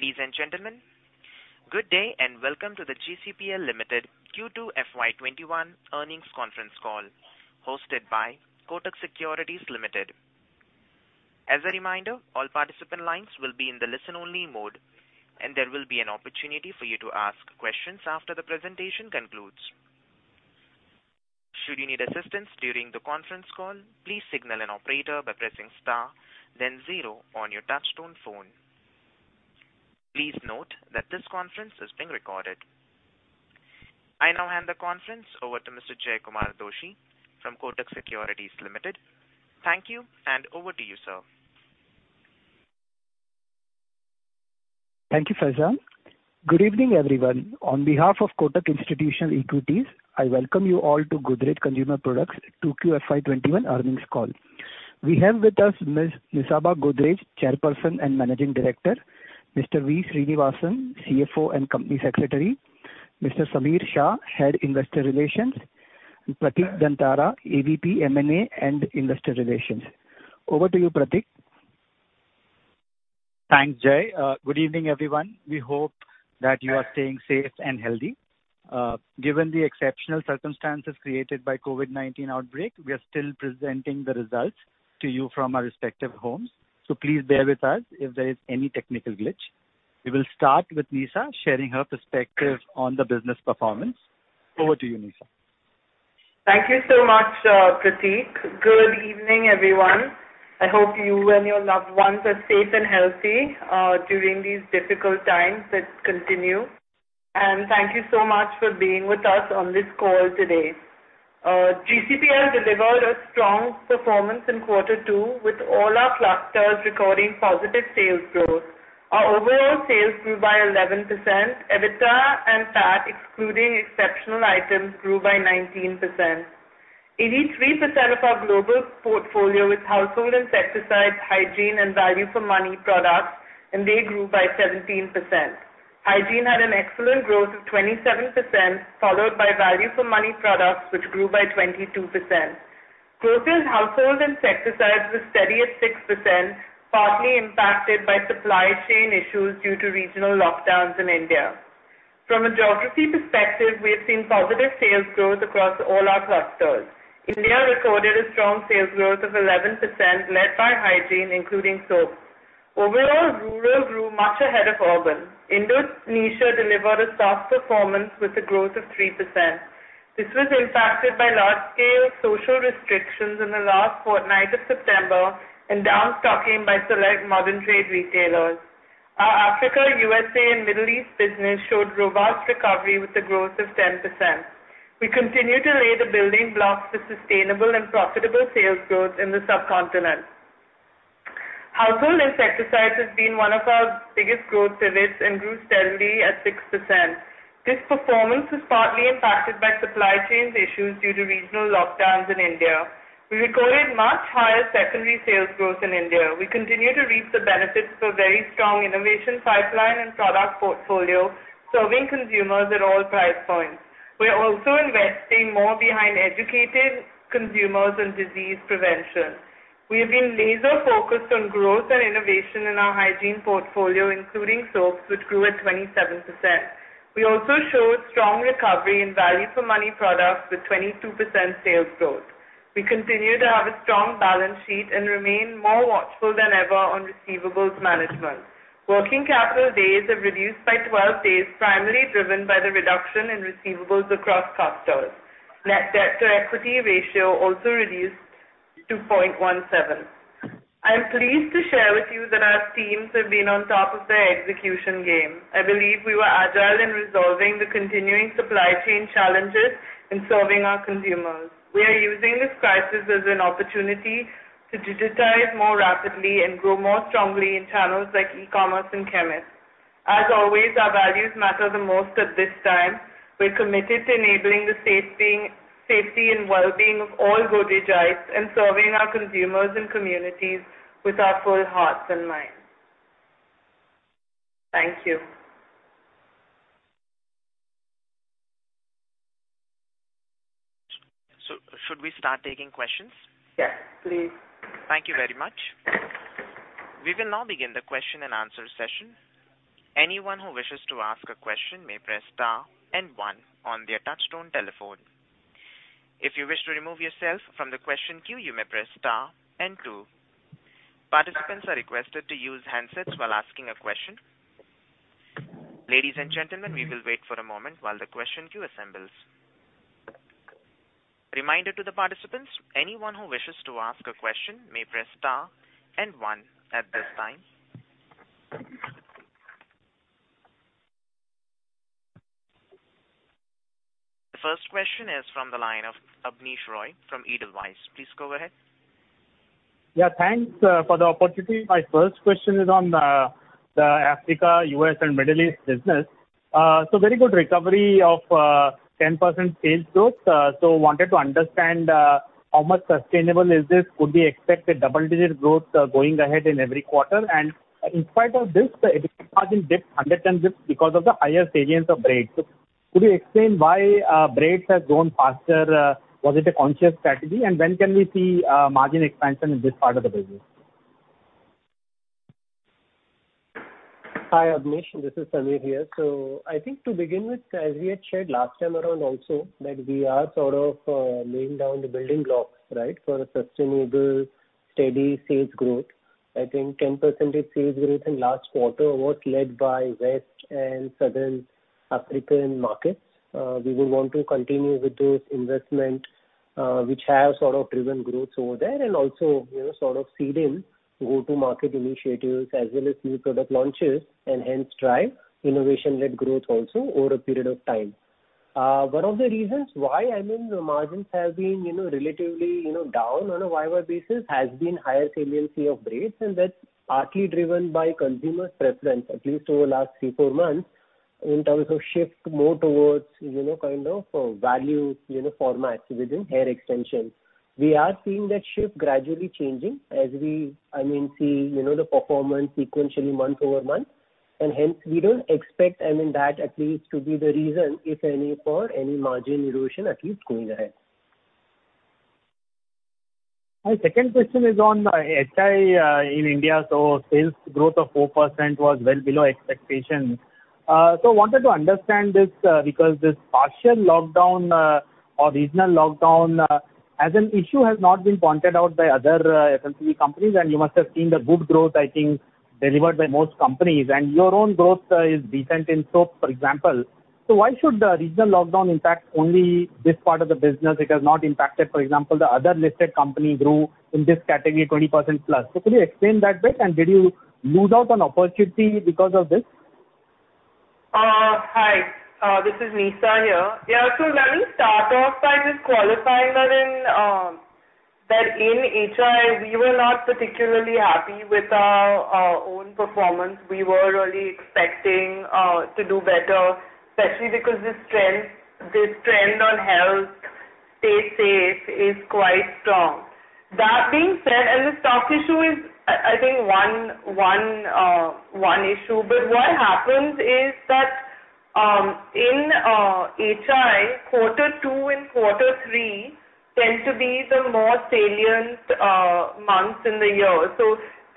Ladies and gentlemen, good day and welcome to the GCPL Limited Q2 FY 2021 earnings conference call hosted by Kotak Securities Limited. As a reminder, all participant lines will be in the listen-only mode. And there will be an opportunity for you to ask questions after the presentation concludes. Should you need assistance during the conference call, please signal an operator by pressing star then zero on your touchtone phone. Please note that conference is being recorded. I now hand the conference over to Mr. Jaykumar Doshi from Kotak Securities Limited. Thank you, and over to you, sir. Thank you, Faizan. Good evening, everyone. On behalf of Kotak Institutional Equities, I welcome you all to Godrej Consumer Products 2Q FY 2021 earnings call. We have with us Ms. Nisaba Godrej, Chairperson and Managing Director, Mr. V. Srinivasan, CFO and Company Secretary, Mr. Sameer Shah, Head Investor Relations, and Pratik Dantara, AVP, M&A, and Investor Relations. Over to you, Pratik. Thanks, Jay. Good evening, everyone. We hope that you are staying safe and healthy. Given the exceptional circumstances created by COVID-19 outbreak, we are still presenting the results to you from our respective homes. Please bear with us if there is any technical glitch. We will start with Nisa sharing her perspective on the business performance. Over to you, Nisa. Thank you so much, Pratik. Good evening, everyone. I hope you and your loved ones are safe and healthy during these difficult times that continue. Thank you so much for being with us on this call today. GCPL delivered a strong performance in quarter two with all our clusters recording positive sales growth. Our overall sales grew by 11%. EBITDA and PAT excluding exceptional items grew by 19%. 83% of our global portfolio is Household Insecticides, Hygiene, and Value for Money products, and they grew by 17%. Hygiene had an excellent growth of 27%, followed by Value for Money products, which grew by 22%. Growth in Household Insecticides was steady at 6%, partly impacted by supply chain issues due to regional lockdowns in India. From a geography perspective, we have seen positive sales growth across all our clusters. India recorded a strong sales growth of 11%, led by Hygiene, including soap. Overall, rural grew much ahead of urban. Indonesia delivered a soft performance with a growth of 3%. This was impacted by large-scale social restrictions in the last fortnight of September and downstocking by select modern trade retailers. Our Africa, USA, and Middle East business showed robust recovery with a growth of 10%. We continue to lay the building blocks for sustainable and profitable sales growth in the subcontinent. Household Insecticides has been one of our biggest growth pivots and grew steadily at 6%. This performance was partly impacted by supply chains issues due to regional lockdowns in India. We recorded much higher secondary sales growth in India. We continue to reap the benefits of a very strong innovation pipeline and product portfolio, serving consumers at all price points. We are also investing more behind educating consumers on disease prevention. We have been laser-focused on growth and innovation in our Hygiene portfolio, including soaps, which grew at 27%. We also showed strong recovery in Value for Money products with 22% sales growth. We continue to have a strong balance sheet and remain more watchful than ever on receivables management. Working capital days have reduced by 12 days, primarily driven by the reduction in receivables across clusters. Net debt to equity ratio also reduced to 0.17. I am pleased to share with you that our teams have been on top of their execution game. I believe we were agile in resolving the continuing supply chain challenges in serving our consumers. We are using this crisis as an opportunity to digitize more rapidly and grow more strongly in channels like e-commerce and chemists. As always, our values matter the most at this time. We're committed to enabling the safety and well-being of all Godrejites and serving our consumers and communities with our full hearts and minds. Thank you. Should we start taking questions? Yes, please. Thank you very much. We will now begin the Q&A session. Anyone who wishes to ask a question may press star and one on their touchtone telephone. If you wish to remove yourself from the question queue, you may press star and two. Participants are requested to use handsets while asking a question. Ladies and gentlemen, we will wait for a moment while the question queue assembles. Reminder to the participants, anyone who wishes to ask a question may press star and one at this time. The first question is from the line of Abneesh Roy from Edelweiss. Please go ahead. Yeah, thanks for the opportunity. My first question is on the Africa, U.S., and Middle East business. Very good recovery of 10% sales growth. Wanted to understand how much sustainable is this? Could we expect a double-digit growth going ahead in every quarter? In spite of this, the EBITDA margin dipped 100 and this because of the higher salience of braids. Could you explain why braids has grown faster? Was it a conscious strategy, and when can we see margin expansion in this part of the business? Hi, Abneesh. This is Sameer here. I think to begin with, as we had shared last time around also that we are sort of laying down the building blocks for a sustainable, steady sales growth. I think 10% sales growth in last quarter was led by West and Southern African markets. We would want to continue with those investments, which have sort of driven growth over there and also sort of seed in go-to-market initiatives as well as new product launches, and hence drive innovation-led growth also over a period of time. One of the reasons why, I mean, the margins have been relatively down on a YoY basis has been higher saliency of braids, and that's partly driven by consumer preference, at least over last three, four months, in terms of shift more towards kind of value formats within hair extension. We are seeing that shift gradually changing as we see the performance sequentially month-over-month, and hence we don't expect that at least to be the reason, if any, for any margin erosion at least going ahead. My second question is on HI in India. Sales growth of 4% was well below expectations. Wanted to understand this because this partial lockdown or regional lockdown as an issue has not been pointed out by other FMCG companies, and you must have seen the good growth, I think, delivered by most companies. Your own growth is decent in soap, for example. Why should the regional lockdown impact only this part of the business? It has not impacted, for example, the other listed company grew in this category 20+%. Could you explain that bit, and did you lose out on opportunity because of this? Hi, this is Nisaba here. Yeah, let me start off by just qualifying that in HI, we were not particularly happy with our own performance. We were really expecting to do better, especially because this trend on health, stay safe, is quite strong. That being said, the stock issue is I think one issue. What happens is that in HI, quarter two and quarter three tend to be the more salient months in the year.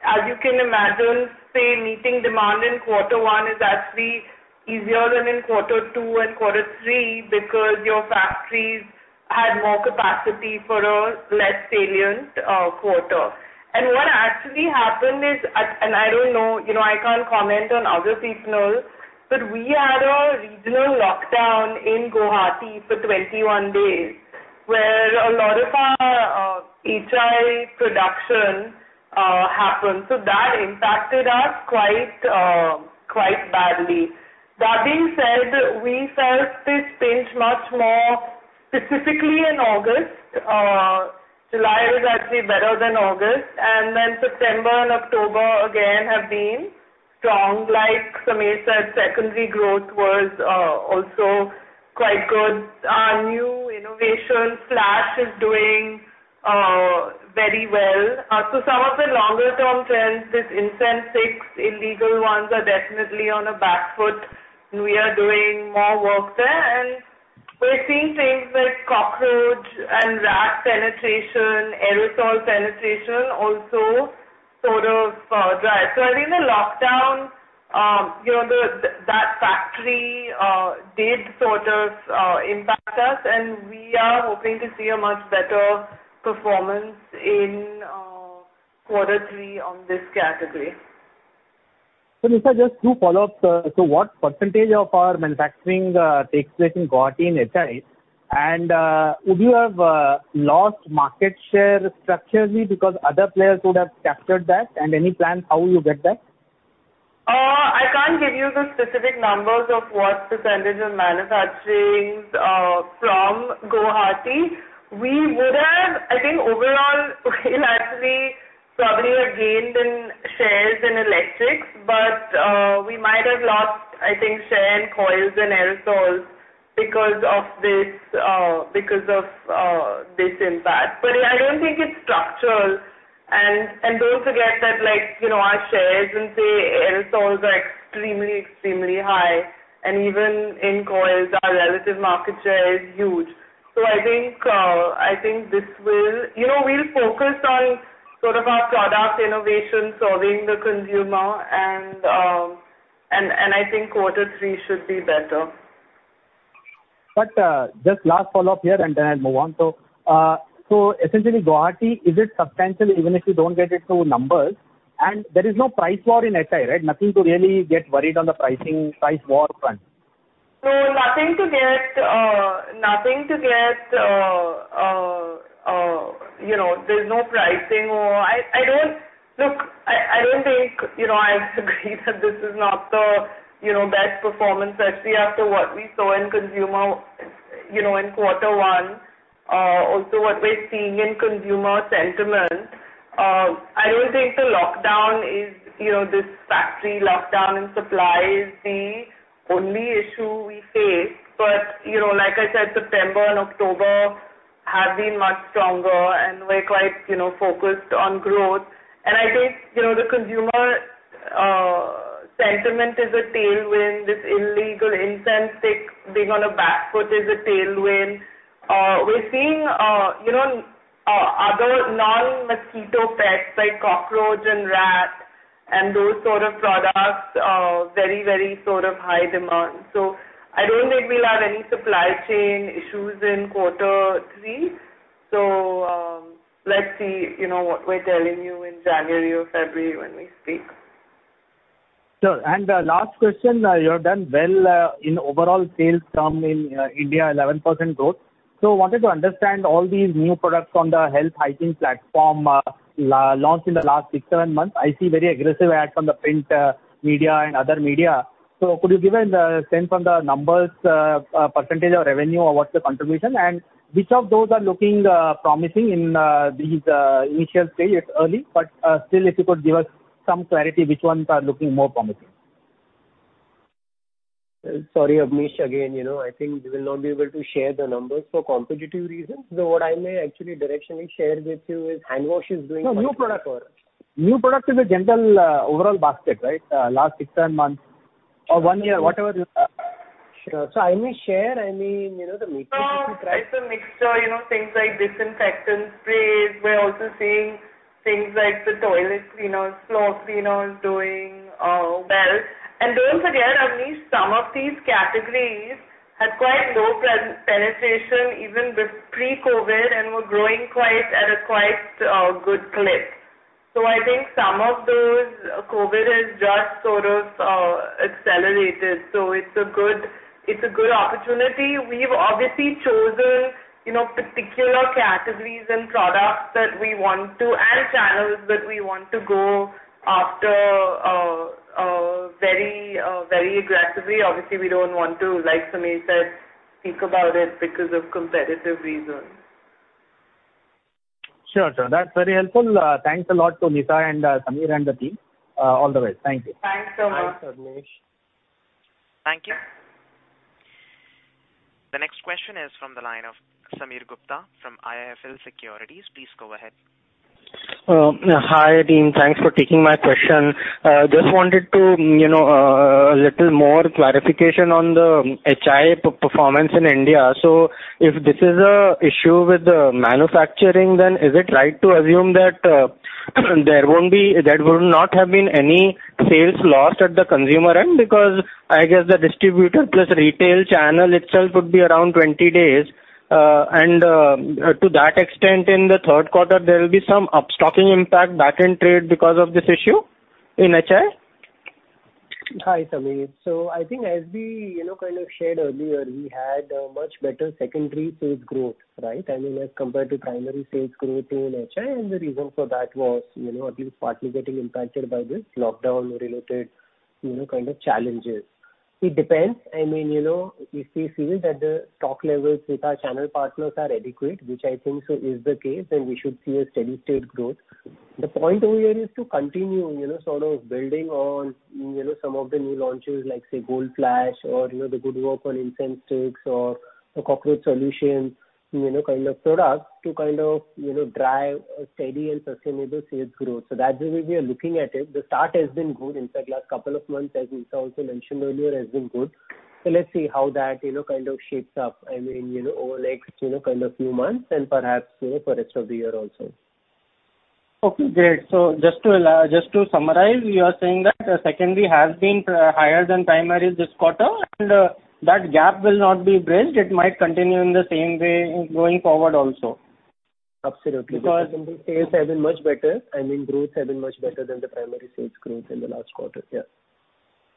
As you can imagine, say, meeting demand in quarter one is actually easier than in quarter two and quarter three because your factories had more capacity for a less salient quarter. What actually happened is, and I don't know, I can't comment on other seasonals, but we had a regional lockdown in Guwahati for 21 days where a lot of our HI production happens. That impacted us quite badly. That being said, we felt this pinch much more specifically in August. July was actually better than August, and then September and October again have been strong. Like Sameer said, secondary growth was also quite good. Our new innovation, Flash, is doing very well. Some of the longer-term trends, this incense sticks, illegal ones are definitely on a back foot and we are doing more work there. We're seeing things like cockroach and rat penetration, aerosol penetration also sort of drive. I think the lockdown, that factory did sort of impact us, and we are hoping to see a much better performance in quarter three on this category. Nisaba, just two follow-ups. What percentage of our manufacturing takes place in Guwahati in HI? Would you have lost market share structurally because other players could have captured that, and any plans how you get back? I can't give you the specific numbers of what percentage of manufacturing is from Guwahati. We would have, I think, overall actually probably have gained in shares in electrics, but we might have lost, I think, share in coils and aerosols because of this impact. I don't think it's structural, and don't forget that our shares in, say, aerosols are extremely high, and even in coils, our relative market share is huge. I think we'll focus on sort of our product innovation, serving the consumer, and I think quarter three should be better. Just last follow-up here, and then I'll move on. Essentially, Guwahati, is it substantial even if you don't get into numbers? There is no price war in HI, right? Nothing to really get worried on the pricing, price war front. There's no pricing war. I agree that this is not the best performance actually after what we saw in consumer in quarter one. What we're seeing in consumer sentiment. I don't think the lockdown, this factory lockdown and supply is the only issue we face. Like I said, September and October have been much stronger and we're quite focused on growth. I think, the consumer sentiment is a tailwind. This illegal incense stick being on a back foot is a tailwind. We're seeing other non-mosquito pests, like cockroach and rat, and those sort of products are very high demand. I don't think we'll have any supply chain issues in quarter three. Let's see what we're telling you in January or February when we speak. Sure. Last question, you have done well in overall sales from India, 11% growth. Wanted to understand all these new products on the Health Hygiene platform launched in the last six, seven months. I see very aggressive ads on the print media and other media. Could you give a sense from the numbers, percentage of revenue, or what's the contribution? Which of those are looking promising in these initial stages? Early, but still, if you could give us some clarity which ones are looking more promising. Sorry, Abneesh, again, I think we will not be able to share the numbers for competitive reasons. What I may actually directionally share with you is hand wash is doing- No, new product. New product in the general overall basket, right? Last six, seven months or one year, whatever you have. Sure. I may share, I mean- No, it's a mixture. Things like disinfectant sprays. We're also seeing things like the toilet cleaners, floor cleaners doing well. Don't forget, Abneesh, some of these categories had quite low penetration even with pre-COVID and were growing at a quite good clip. I think some of those, COVID has just sort of accelerated. It's a good opportunity. We've obviously chosen particular categories and products that we want to, and channels that we want to go after very aggressively. Obviously, we don't want to, like Sameer said, speak about it because of competitive reasons. Sure. That's very helpful. Thanks a lot to Nisa and Sameer and the team. All the best. Thank you. Thanks a lot. Thanks, Abneesh. Thank you. The next question is from the line of Sameer Gupta from IIFL Securities. Please go ahead. Hi, team. Thanks for taking my question. Wanted a little more clarification on the HI performance in India. If this is an issue with the manufacturing, then is it right to assume that there would not have been any sales lost at the consumer end? I guess the distributor plus retail channel itself would be around 20 days. To that extent, in the third quarter, there will be some up-stocking impact back in trade because of this issue in HI? Hi, Sameer. I think as we kind of shared earlier, we had a much better secondary sales growth, right? I mean, as compared to primary sales growth in HI, and the reason for that was at least partly getting impacted by this lockdown-related kind of challenges. It depends. If we feel that the stock levels with our channel partners are adequate, which I think so is the case, then we should see a steady state growth. The point over here is to continue sort of building on some of the new launches, like say Gold Flash or the good work on incense sticks or the cockroach solutions, kind of products to drive a steady and sustainable sales growth. That's the way we are looking at it. The start has been good. In fact, last couple of months, as Nisaba also mentioned earlier, has been good. Let's see how that kind of shapes up over next kind of few months and perhaps for rest of the year also. Okay, great. Just to summarize, you are saying that secondary has been higher than primary this quarter, and that gap will not be bridged. It might continue in the same way going forward also. Absolutely. Because sales have been much better. I mean, growth has been much better than the primary sales growth in the last quarter. Yeah.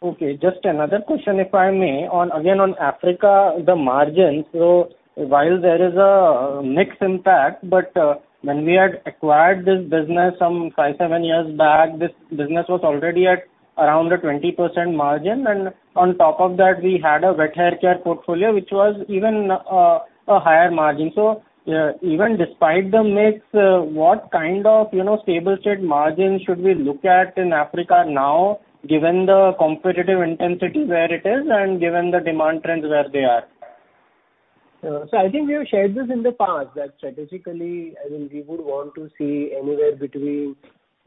Okay. Just another question, if I may. Again, on Africa, the margins, while there is a mix impact, when we had acquired this business some five, seven years back, this business was already at around a 20% margin, and on top of that, we had a wet haircare portfolio, which was even a higher margin. Even despite the mix, what kind of stable state margin should we look at in Africa now, given the competitive intensity where it is and given the demand trends where they are? I think we have shared this in the past, that strategically, we would want to see anywhere between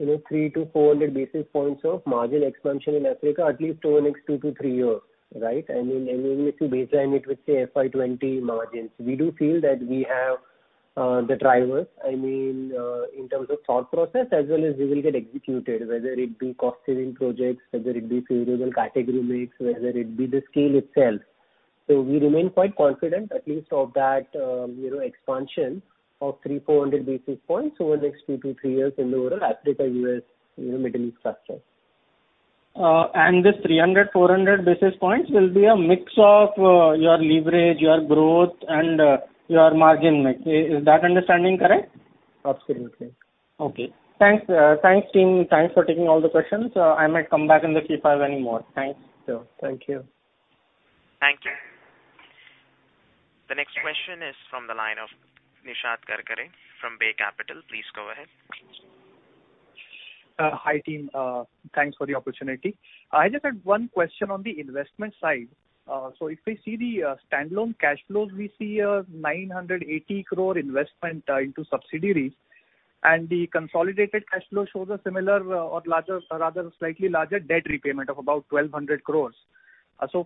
300-400 basis points of margin expansion in Africa, at least over the next two to three years, right? Even if you baseline it with, say, FY 2020 margins. We do feel that we have the drivers, in terms of thought process as well as we will get executed, whether it be cost-saving projects, whether it be favorable category mix, whether it be the scale itself. We remain quite confident at least of that expansion of 300-400 basis points over the next two to three years in the overall Africa, U.S., Middle East cluster. This 300-400 basis points will be a mix of your leverage, your growth and your margin mix. Is that understanding correct? Absolutely. Okay. Thanks, team. Thanks for taking all the questions. I might come back in the Q&A if I have any more. Thanks. Sure. Thank you. Thank you. The next question is from the line of Nishad Karkare from Bay Capital. Please go ahead. Hi, team. Thanks for the opportunity. I just had one question on the investment side. If we see the standalone cash flows, we see an 980 crore investment into subsidiaries, and the consolidated cash flow shows a similar or rather slightly larger debt repayment of about 1,200 crore.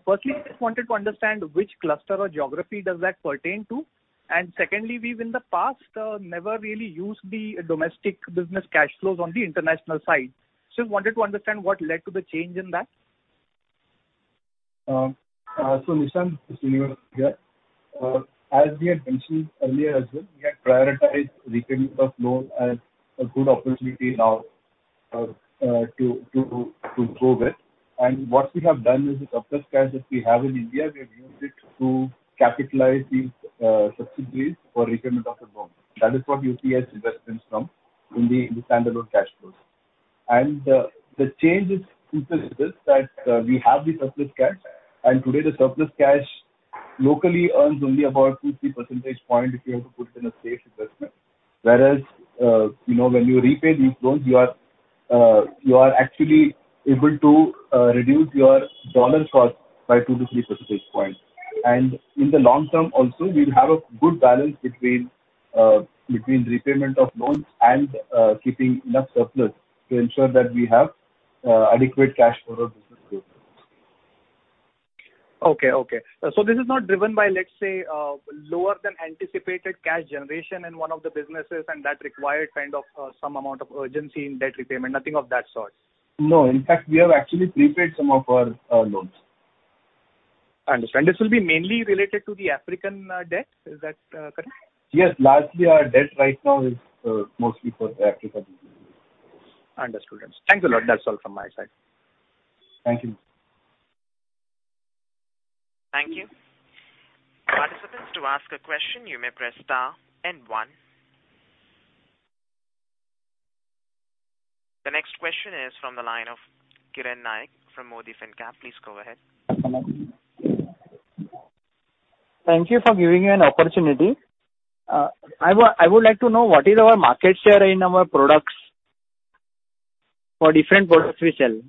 Firstly, I just wanted to understand which cluster or geography does that pertain to? And secondly, we've in the past never really used the domestic business cash flows on the international side. Just wanted to understand what led to the change in that. Nishad, Sameer here. As we had mentioned earlier as well, we had prioritized repayment of loan as a good opportunity now to go with. What we have done is the surplus cash that we have in India, we have used it to capitalize these subsidiaries for repayment of the loan. That is what you see as investments from in the standalone cash flows. The change is simply this, that we have the surplus cash, and today the surplus cash locally earns only about 2-3 percentage point if you have to put it in a safe investment. Whereas, when you repay these loans, you are actually able to reduce your dollar cost by 2-3 percentage points. In the long term, also, we'll have a good balance between repayment of loans and keeping enough surplus to ensure that we have adequate cash for our business growth. Okay. This is not driven by, let's say, lower than anticipated cash generation in one of the businesses and that required some amount of urgency in debt repayment. Nothing of that sort. No. In fact, we have actually prepaid some of our loans. Understood. This will be mainly related to the African debt. Is that correct? Yes. Largely our debt right now is mostly for the African business. Understood. Thank you a lot. That is all from my side. Thank you. Thank you. Participants, to ask a question, you may press star and one. The next question is from the line of Kiran Naik from Modi Fincap. Please go ahead. Thank you for giving an opportunity. I would like to know what is our market share in our products for different products we sell?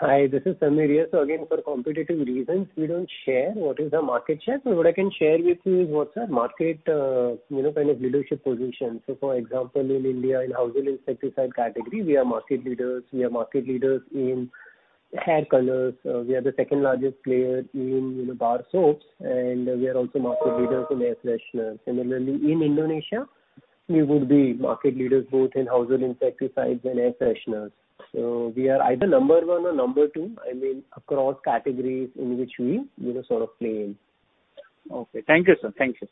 Hi, this is Sameer here. Again, for competitive reasons, we don't share what is the market share. What I can share with you is what's our market leadership position. For example, in India, in Household Insecticide category, we are market leaders. We are market leaders in hair colors. We are the second-largest player in bar soaps, and we are also market leaders in air fresheners. Similarly, in Indonesia, we would be market leaders both in Household Insecticides and air fresheners. We are either number one or number two, I mean, across categories in which we play in. Okay. Thank you, sir.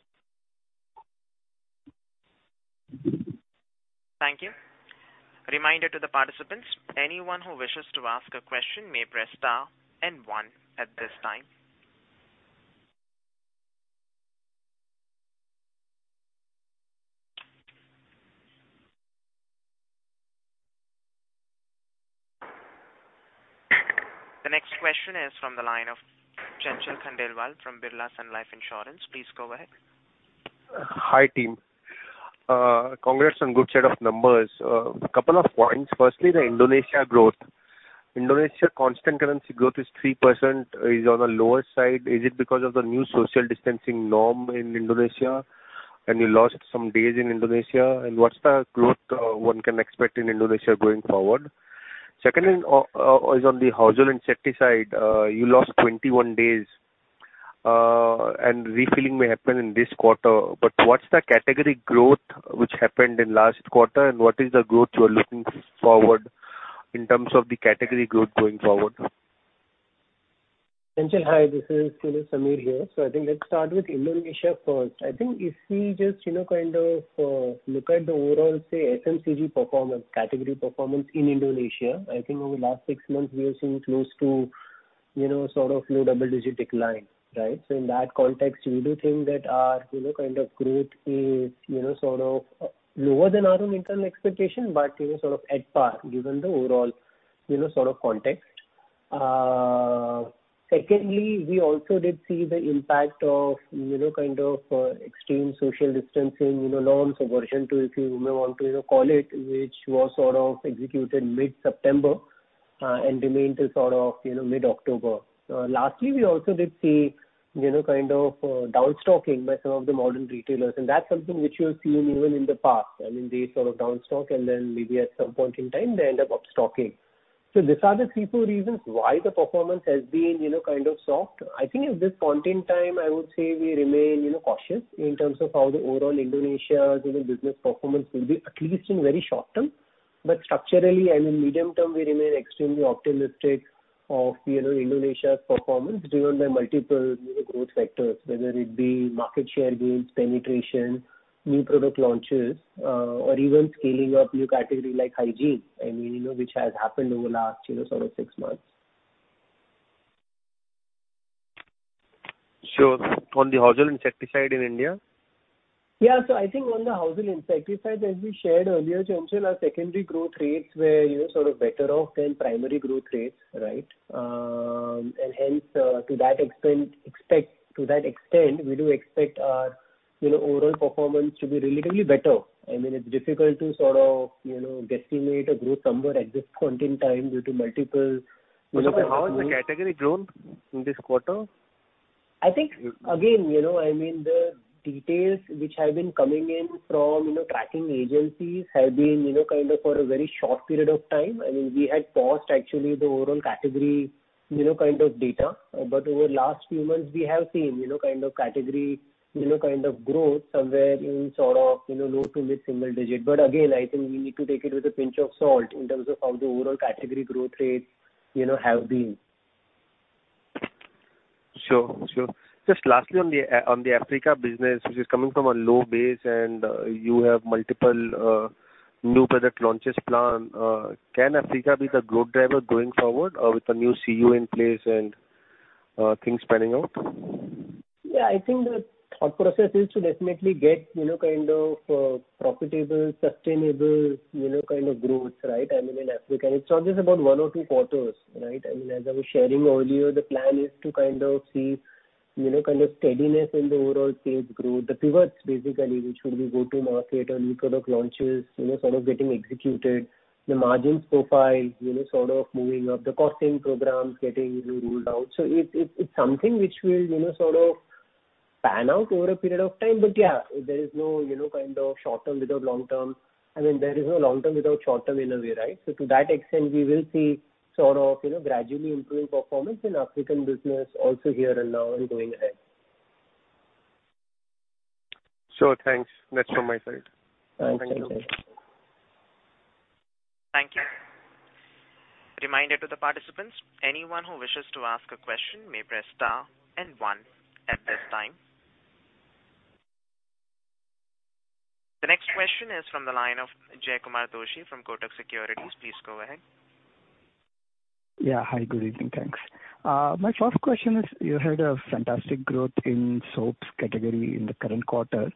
Yeah, hi, good evening. Thanks. My first question is, you had a fantastic growth in soaps category in the current quarter.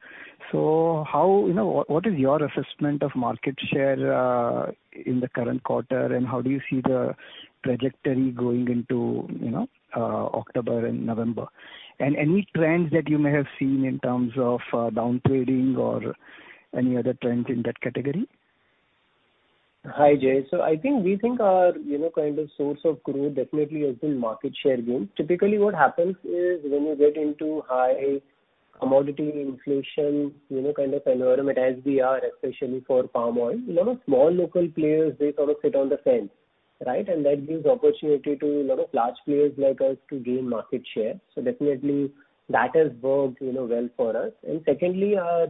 What is your assessment of market share in the current quarter, and how do you see the trajectory going into October and November? Any trends that you may have seen in terms of down-trading or any other trends in that category? Hi, Jay. I think we think our source of growth definitely has been market share gains. Typically, what happens is when you get into high commodity inflation environment, as we are, especially for palm oil, a lot of small local players, they sort of sit on the fence. That gives opportunity to a lot of large players like us to gain market share. Definitely that has worked well for us. Secondly, our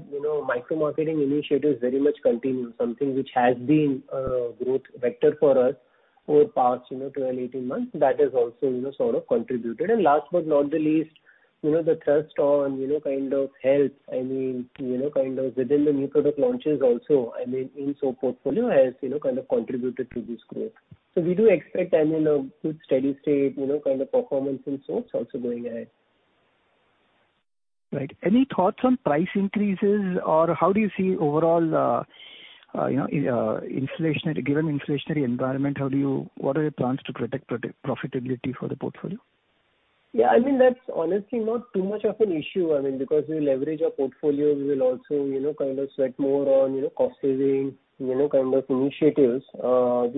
micro-marketing initiatives very much continue. Something which has been a growth vector for us over the past 12, 18 months. That has also sort of contributed. Last but not the least, the thrust on health within the new product launches also in soap portfolio has contributed to this growth. We do expect a good steady state kind of performance in soaps also going ahead. Right. Any thoughts on price increases? How do you see overall, given inflationary environment, what are your plans to protect profitability for the portfolio? Yeah, that's honestly not too much of an issue, because we leverage our portfolio. We will also sweat more on cost saving kind of initiatives. We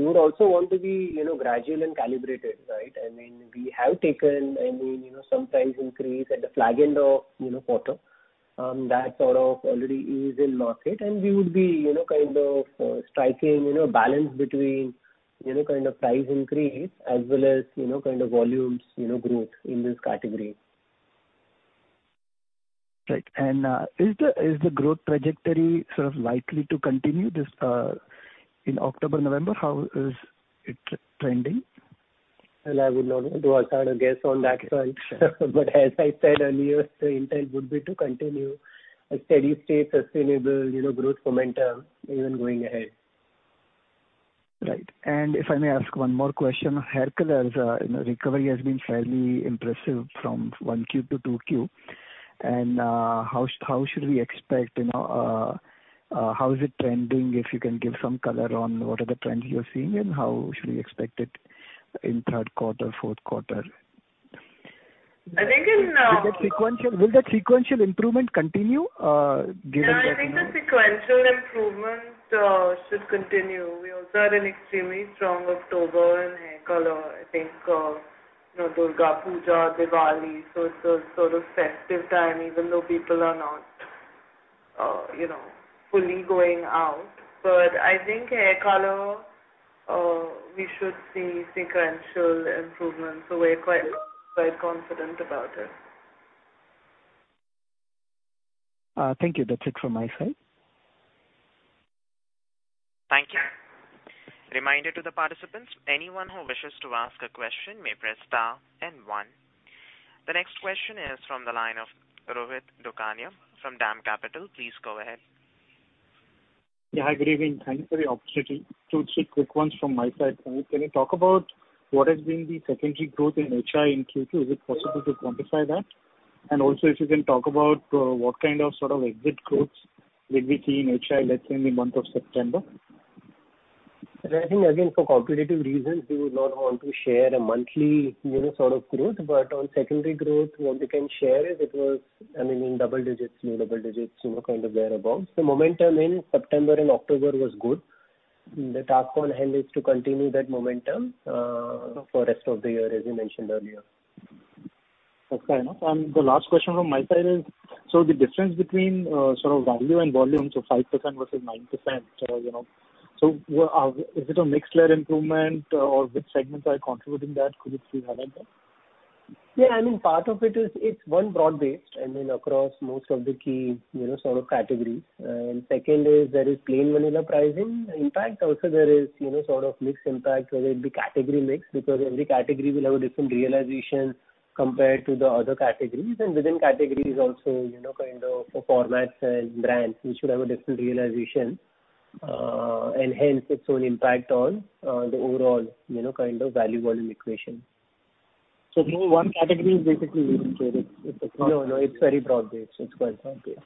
would also want to be gradual and calibrated. We have taken some price increase at the flag end of quarter. That sort of already is in market. We would be striking a balance between price increase as well as volume growth in this category. Right. Is the growth trajectory sort of likely to continue in October, November? How is it trending? Well, I would not want to hazard a guess on that front. As I said earlier, the intent would be to continue a steady state, sustainable growth momentum even going ahead. Right. If I may ask one more question. Hair colors recovery has been fairly impressive from 1Q to 2Q. How is it trending? If you can give some color on what are the trends you are seeing, and how should we expect it in third quarter, fourth quarter? I think- Will that sequential improvement continue given that- Yeah, I think the sequential improvement should continue. We also had an extremely strong October in hair color. I think Durga Puja, Diwali. It's a sort of festive time, even though people are not fully going out. I think hair color, we should see sequential improvement, so we're quite confident about it. Thank you. That's it from my side. Thank you. Reminder to the participants, anyone who wishes to ask a question may press star and one. The next question is from the line of Rohit Dokania from DAM Capital. Please go ahead. Yeah. Hi, good evening. Thank you for the opportunity. Two, three quick ones from my side. Can you talk about what has been the secondary growth in HI in Q2? Is it possible to quantify that? Also if you can talk about what kind of sort of exit growth did we see in HI, let's say in the month of September? I think again, for competitive reasons, we would not want to share a monthly sort of growth. On secondary growth, what we can share is it was in double digits, low double digits, kind of thereabout. The momentum in September and October was good. The task on hand is to continue that momentum for rest of the year, as you mentioned earlier. Okay. The last question from my side is, the difference between sort of value and volume, 5% versus 9%. Is it a mix layer improvement or which segments are contributing that? Could you please highlight that? Yeah, part of it is one broad-based, across most of the key sort of categories. Second is there is plain vanilla pricing. In fact, also there is sort of mix impact, whether it be category mix, because every category will have a different realization compared to the other categories. Within categories also, kind of formats and brands which would have a different realization, and hence its own impact on the overall, kind of value volume equation. No one category is basically- No, it's very broad-based. It's quite broad-based.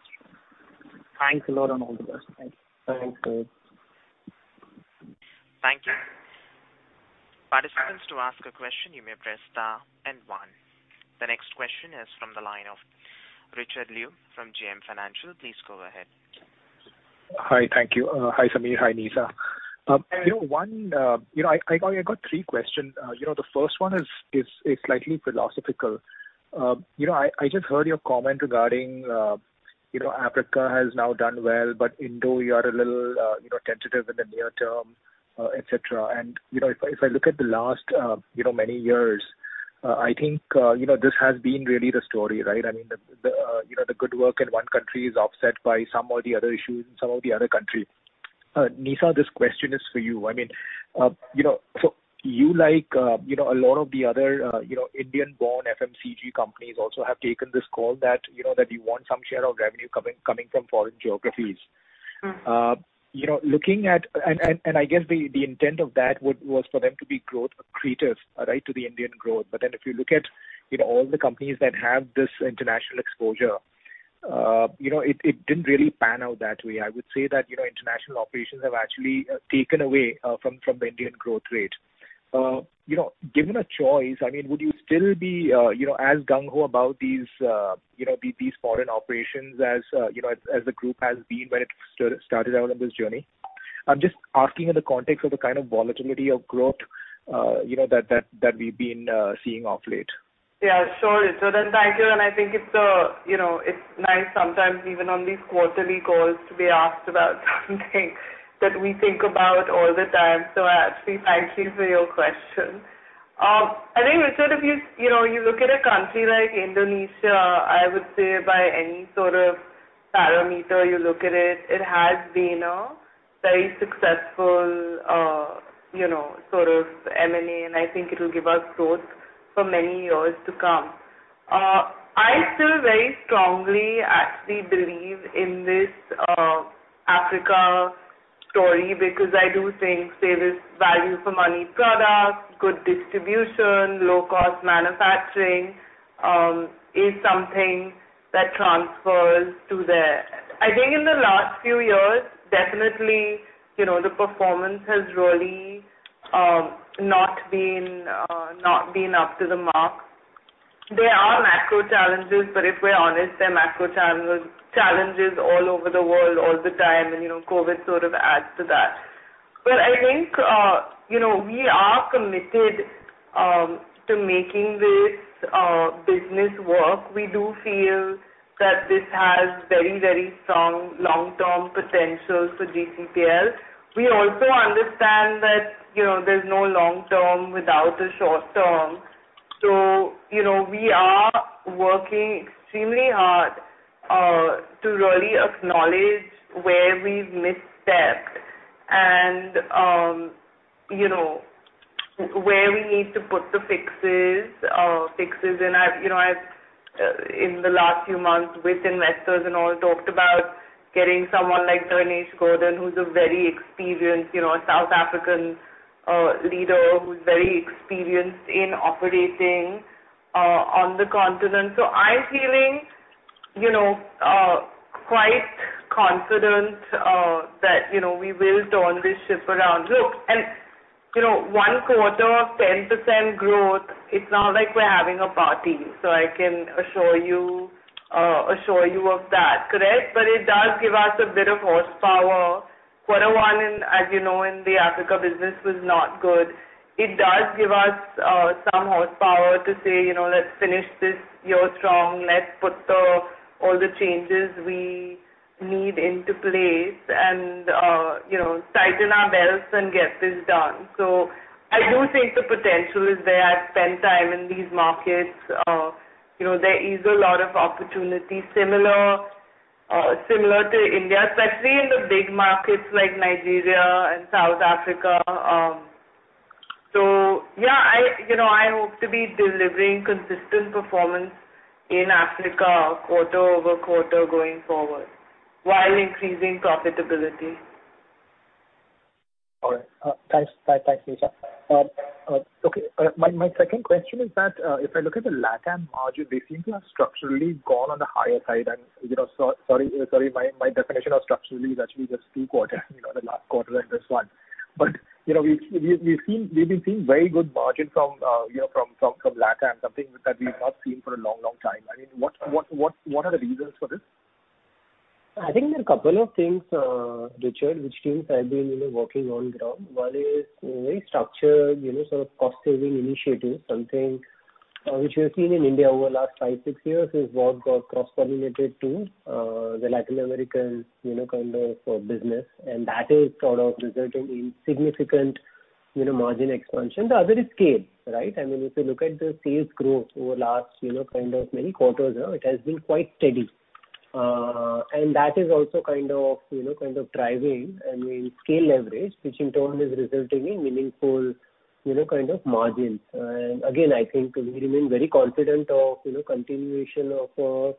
Thanks a lot on all the questions. Thanks. Thank you. Participants to ask a question, you may press star and one. The next question is from the line of Richard Liu from JM Financial. Please go ahead. Hi. Thank you. Hi, Sameer. Hi, Nisa. I got three questions. The first one is slightly philosophical. I just heard your comment regarding Africa has now done well, but Indo, you are a little tentative in the near term, et cetera. If I look at the last many years, I think this has been really the story, right? The good work in one country is offset by some of the other issues in some of the other countries. Nisa, this question is for you. You, like a lot of the other Indian-born FMCG companies also have taken this call that you want some share of revenue coming from foreign geographies. I guess the intent of that was for them to be growth accretive to the Indian growth. If you look at all the companies that have this international exposure, it didn't really pan out that way. I would say that international operations have actually taken away from the Indian growth rate. Given a choice, would you still be as gung-ho about these foreign operations as the Group has been when it started out on this journey? I'm just asking in the context of the kind of volatility of growth that we've been seeing of late. Yeah, sure. Thank you. I think it's nice sometimes even on these quarterly calls to be asked about something that we think about all the time. Actually, thank you for your question. I think, Richard, if you look at a country like Indonesia, I would say by any sort of parameter you look at it has been a very successful sort of M&A, and I think it'll give us growth for many years to come. I still very strongly actually believe in this Africa story because I do think there is value for money product, good distribution, low cost manufacturing, is something that transfers to there. I think in the last few years, definitely, the performance has really not been up to the mark. There are macro challenges. If we're honest, there are macro challenges all over the world all the time, COVID sort of adds to that. I think we are committed to making this business work. We do feel that this has very strong long-term potential for GCPL. We also understand that there's no long-term without a short-term. We are working extremely hard to really acknowledge where we've misstepped and where we need to put the fixes. I've, in the last few months with investors and all, talked about getting someone like Dharnesh Gordhon, who's a very experienced South African leader, who's very experienced in operating on the continent. I'm feeling quite confident that we will turn this ship around. Look, one quarter of 10% growth, it's not like we're having a party, I can assure you of that, correct? It does give us a bit of horsepower. Quarter one, as you know, in the Africa business was not good. It does give us some horsepower to say, "Let's finish this year strong. Let's put all the changes we need into place and tighten our belts and get this done." I do think the potential is there. I've spent time in these markets. There is a lot of opportunity similar to India, especially in the big markets like Nigeria and South Africa. Yeah, I hope to be delivering consistent performance in Africa quarter-over-quarter going forward while increasing profitability. All right. Thanks, Nisa. Okay. My second question is that, if I look at the LatAm margin, they seem to have structurally gone on the higher side. Sorry, my definition of structurally is actually just two quarters, the last quarter and this one. We've been seeing very good margin from LatAm, something that we've not seen for a long, long time. What are the reasons for this? I think there are a couple of things, Richard, which teams have been working on ground. One is very structured, sort of cost-saving initiatives, something which we've seen in India over the last five, six years, is what got cross-pollinated to the Latin American business. That is sort of resulting in significant margin expansion. The other is scale, right? If you look at the sales growth over the last many quarters now, it has been quite steady. That is also kind of driving scale leverage, which in turn is resulting in meaningful kind of margins. Again, I think we remain very confident of continuation of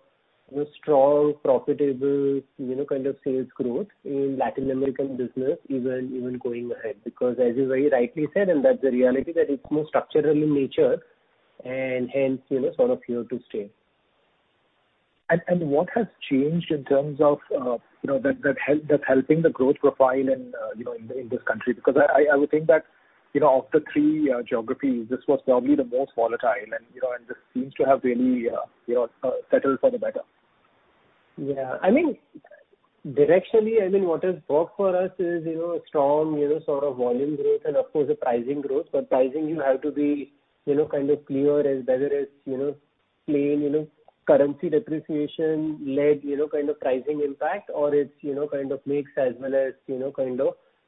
strong, profitable kind of sales growth in Latin American business even going ahead. As you very rightly said, and that's the reality, that it's more structural in nature and hence, sort of here to stay. What has changed in terms of that helping the growth profile in this country? I would think that of the three geographies, this was probably the most volatile, and this seems to have really settled for the better. Yeah. Directionally, what has worked for us is strong volume growth and of course, the pricing growth. Pricing, you have to be kind of clear as whether it's plain currency depreciation-led kind of pricing impact or it kind of mix as well as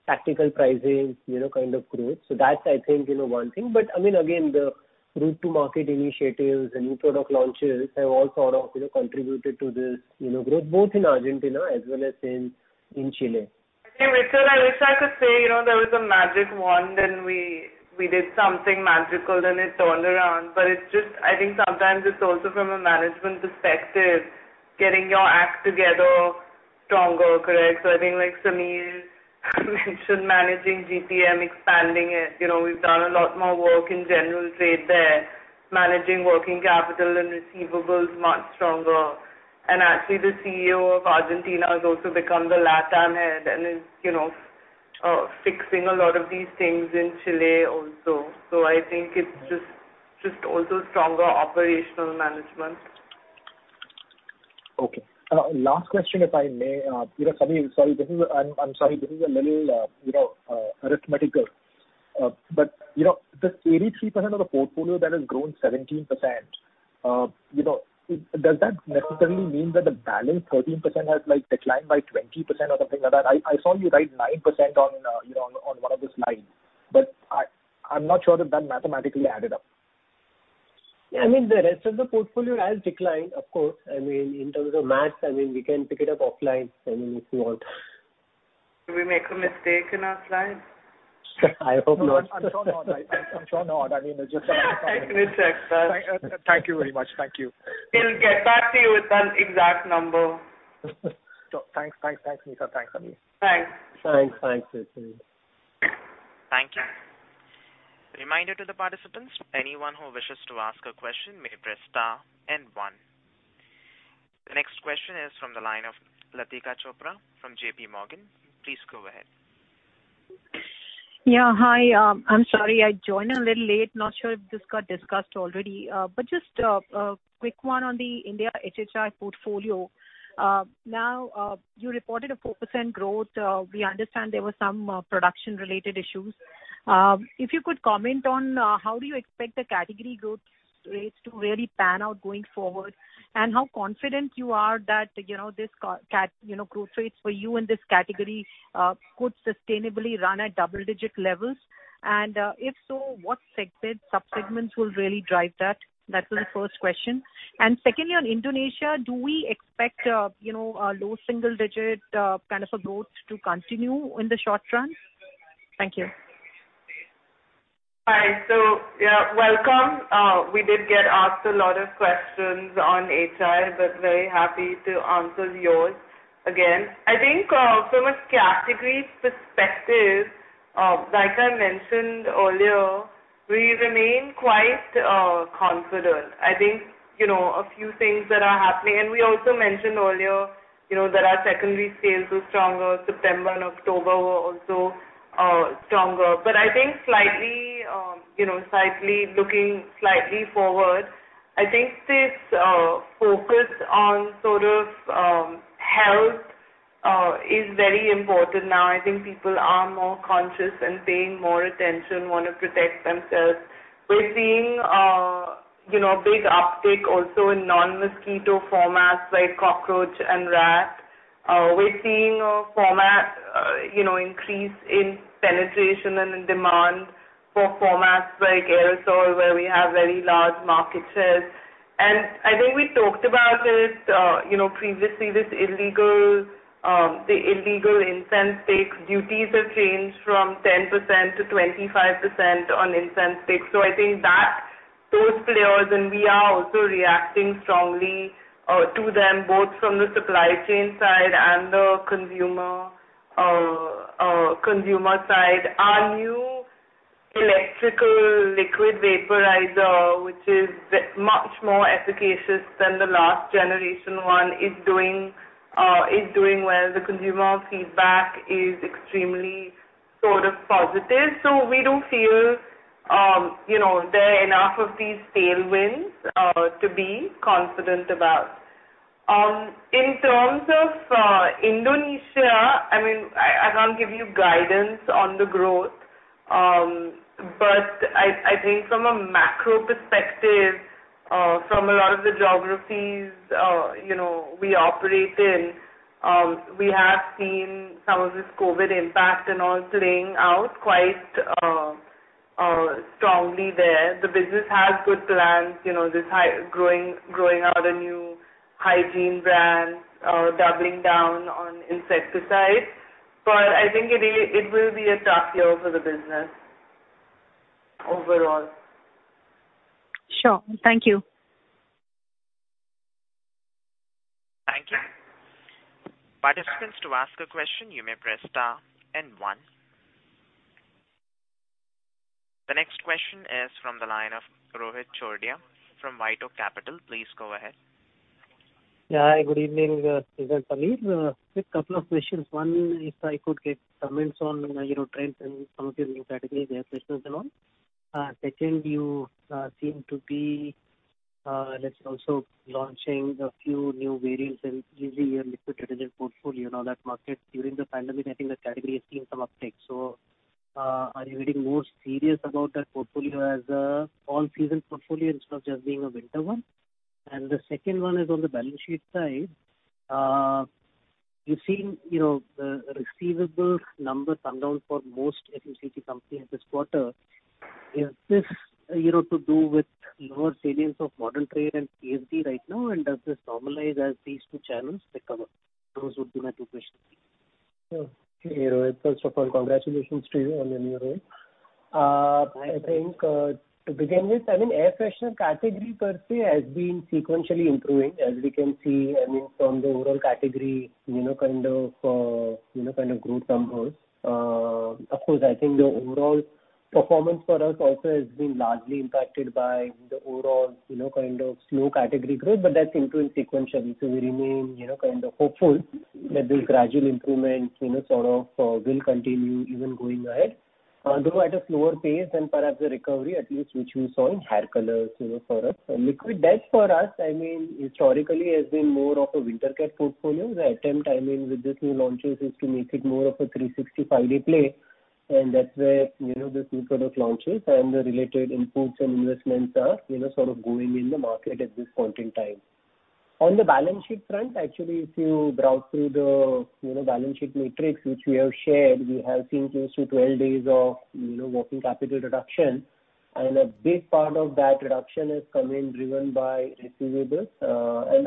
tactical pricing kind of growth. That's I think one thing. Again, the route to market initiatives and new product launches have all sort of contributed to this growth, both in Argentina as well as in Chile. Hey, Richard, I wish I could say there was a magic wand and we did something magical, then it turned around. I think sometimes it's also from a management perspective, getting your act together stronger, correct? I think like Sameer mentioned, managing GTM, expanding it. We've done a lot more work in general trade there, managing working capital and receivables much stronger. Actually, the CEO of Argentina has also become the LatAm head and is fixing a lot of these things in Chile also. I think it's just also stronger operational management. Okay. Last question, if I may. I am sorry this is a little arithmetical. This 83% of the portfolio that has grown 17%, does that necessarily mean that the balance 13% has declined by 20% or something like that? I saw you write 9% on one of the slides, but I am not sure that mathematically added up. The rest of the portfolio has declined, of course. In terms of math, we can pick it up offline if you want. Did we make a mistake in our slide? I hope not. I'm sure not. I mean- Thanks, Richard. Thank you very much. Thank you. We'll get back to you with an exact number. Thanks, Nisa. Thanks, Sameer. Thanks. Thanks, Richard. Thank you. Reminder to the participants, anyone who wishes to ask a question may press star and one. The next question is from the line of Latika Chopra from JPMorgan. Please go ahead. Yeah. Hi. I'm sorry I joined a little late. Not sure if this got discussed already. Just a quick one on the India HHI portfolio. You reported a 4% growth. We understand there were some production-related issues. If you could comment on how do you expect the category growth rates to really pan out going forward, and how confident you are that this growth rates for you in this category could sustainably run at double-digit levels. If so, what sub-segments will really drive that? That was the first question. Secondly, on Indonesia, do we expect a low single digit kind of a growth to continue in the short run? Thank you. Hi. Yeah, welcome. We did get asked a lot of questions on HI, but very happy to answer yours again. I think from a category perspective, like I mentioned earlier, we remain quite confident. I think a few things that are happening, we also mentioned earlier that our secondary sales were stronger. September and October were also stronger. I think looking slightly forward, I think this focus on sort of health is very important now. I think people are more conscious and paying more attention, want to protect themselves. We're seeing a big uptick also in non-mosquito formats like cockroach and rat. We're seeing a format increase in penetration and in demand for formats like aerosol, where we have very large market shares. I think we talked about this previously, the illegal incense sticks. Duties have changed from 10% to 25% on incense sticks. I think that those players, and we are also reacting strongly to them, both from the supply chain side and the consumer side. Our new electrical liquid vaporizer, which is much more efficacious than the last generation one, is doing well. The consumer feedback is extremely positive. We do feel there are enough of these tailwinds to be confident about. In terms of Indonesia, I can't give you guidance on the growth. I think from a macro perspective, from a lot of the geographies we operate in, we have seen some of this COVID-19 impact and all playing out quite strongly there. The business has good plans, growing out a new Hygiene brand, doubling down on insecticides. I think it will be a tough year for the business overall. Sure. Thank you. Thank you. Participants, to ask a question, you may press star and one. The next question is from the line of Rohit Chordia from White Oak Capital. Please go ahead. Hi, good evening, Nisaba, Sameer. A quick couple of questions. One, if I could get comments on trends in some of your new categories, air fresheners and all. Second, you seem to be also launching a few new variants in your liquid detergent portfolio. Now that market, during the pandemic, I think the category has seen some uptake. Are you getting more serious about that portfolio as an all-season portfolio instead of just being a winter one? The second one is on the balance sheet side. You're seeing the receivables number come down for most FMCG companies this quarter. Is this to do with lower salience of modern trade and CSD right now? Does this normalize as these two channels recover? Those would be my two questions. Okay, Rohit. First of all, congratulations to you on the new role. I think, to begin with, air freshener category has been sequentially improving, as we can see from the overall category growth numbers. Of course, I think the overall performance for us also has been largely impacted by the overall slow category growth. That's improving sequentially. We remain hopeful that this gradual improvement will continue even going ahead, although at a slower pace than perhaps the recovery, at least which we saw in hair colors for us. Liquid dets for us, historically, has been more of a winter care portfolio. The attempt with these new launches is to make it more of a 365-day play. That's where these new set of launches and the related inputs and investments are sort of going in the market at this point in time. On the balance sheet front, actually, if you browse through the balance sheet matrix, which we have shared, we have seen close to 12 days of working capital reduction. A big part of that reduction is coming driven by receivables.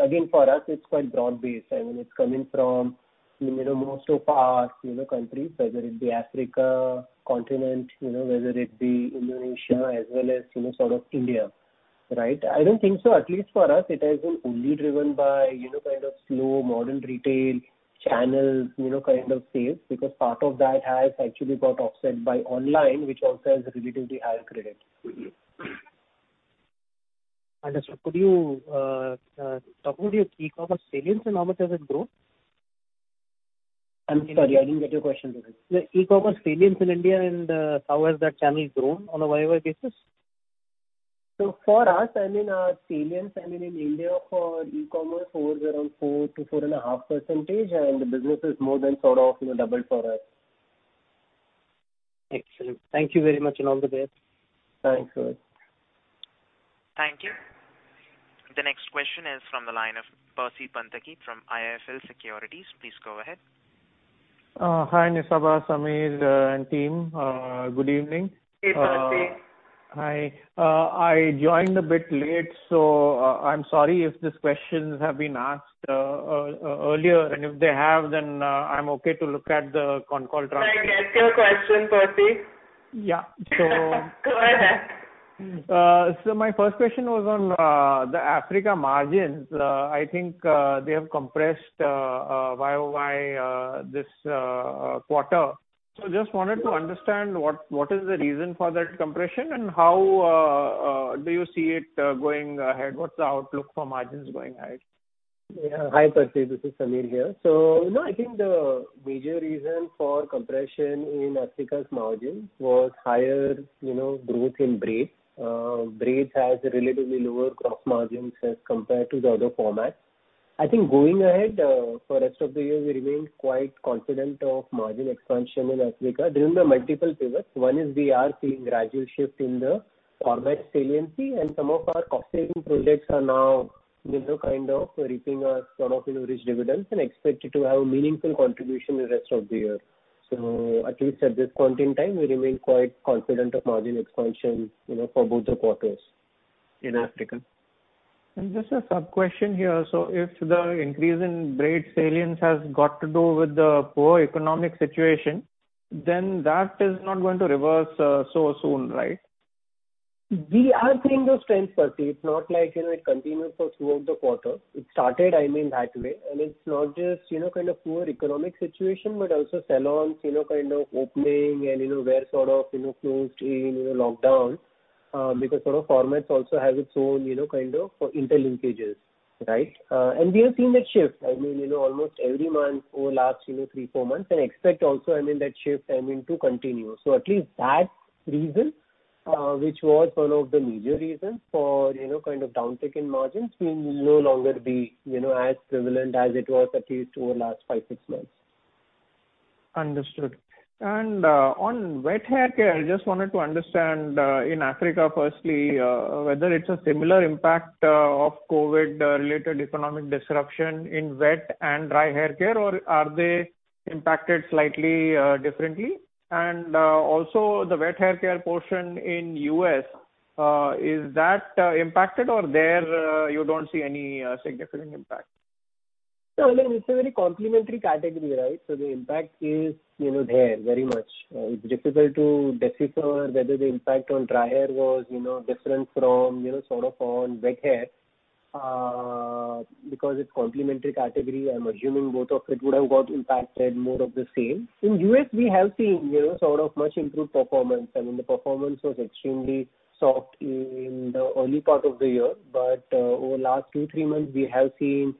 Again, for us, it's quite broad-based. It's coming from most of our countries, whether it be Africa continent, whether it be Indonesia as well as India. Right? I don't think so, at least for us, it has been only driven by slow modern retail channel sales, because part of that has actually got offset by online, which also has relatively high credit for you. Understood. Could you talk about your e-commerce salience and how much has it grown? I'm sorry, I didn't get your question. The e-commerce salience in India and how has that channel grown on a YoY basis? For us, our salience in India for e-commerce was around 4%-4.5%, and the business has more than doubled for us. Excellent. Thank you very much and all the best. Thanks, Rohit. Thank you. The next question is from the line of Percy Panthaki from IIFL Securities. Please go ahead. Hi, Nisaba, Sameer, and team. Good evening. Hey, Percy. Hi. I joined a bit late, so I'm sorry if these questions have been asked earlier, and if they have, then I'm okay to look at the con call transcript. Can I get your question, Percy? Yeah. Go ahead. My first question was on the Africa margins. I think they have compressed YoY this quarter. Just wanted to understand what is the reason for that compression, and how do you see it going ahead? What's the outlook for margins going ahead? Yeah. Hi, Percy. This is Sameer here. I think the major reason for compression in Africa's margins was higher growth in braid. Braid has relatively lower gross margins as compared to the other formats. I think going ahead for rest of the year, we remain quite confident of margin expansion in Africa due to the multiple pivots. One is we are seeing gradual shift in the format saliency, and some of our cost-saving projects are now kind of reaping us rich dividends and expect it to have a meaningful contribution the rest of the year. At least at this point in time, we remain quite confident of margin expansion for both the quarters in Africa. Just a sub-question here. If the increase in braid salience has got to do with the poor economic situation, then that is not going to reverse so soon, right? We are seeing those trends, Percy. It's not like it continued throughout the quarter. It started that way, and it's not just kind of poor economic situation, but also salons opening and were sort of closed in lockdown, because sort of formats also have its own kind of interlinkages. Right? We have seen that shift. Almost every month over last three, four months, and expect also that shift to continue. At least that reason, which was one of the major reasons for downtick in margins will no longer be as prevalent as it was at least over last five, six months. Understood. On wet hair care, I just wanted to understand, in Africa firstly, whether it's a similar impact of COVID-related economic disruption in wet and dry hair care, or are they impacted slightly differently? Also the wet hair care portion in U.S., is that impacted or there you don't see any significant impact? No, it's a very complementary category, right? The impact is there very much. It's difficult to decipher whether the impact on dry hair was different from on wet hair. It's complementary category, I'm assuming both of it would have got impacted more of the same. In U.S., we have seen sort of much improved performance. The performance was extremely soft in the early part of the year. Over last two, three months, we have seen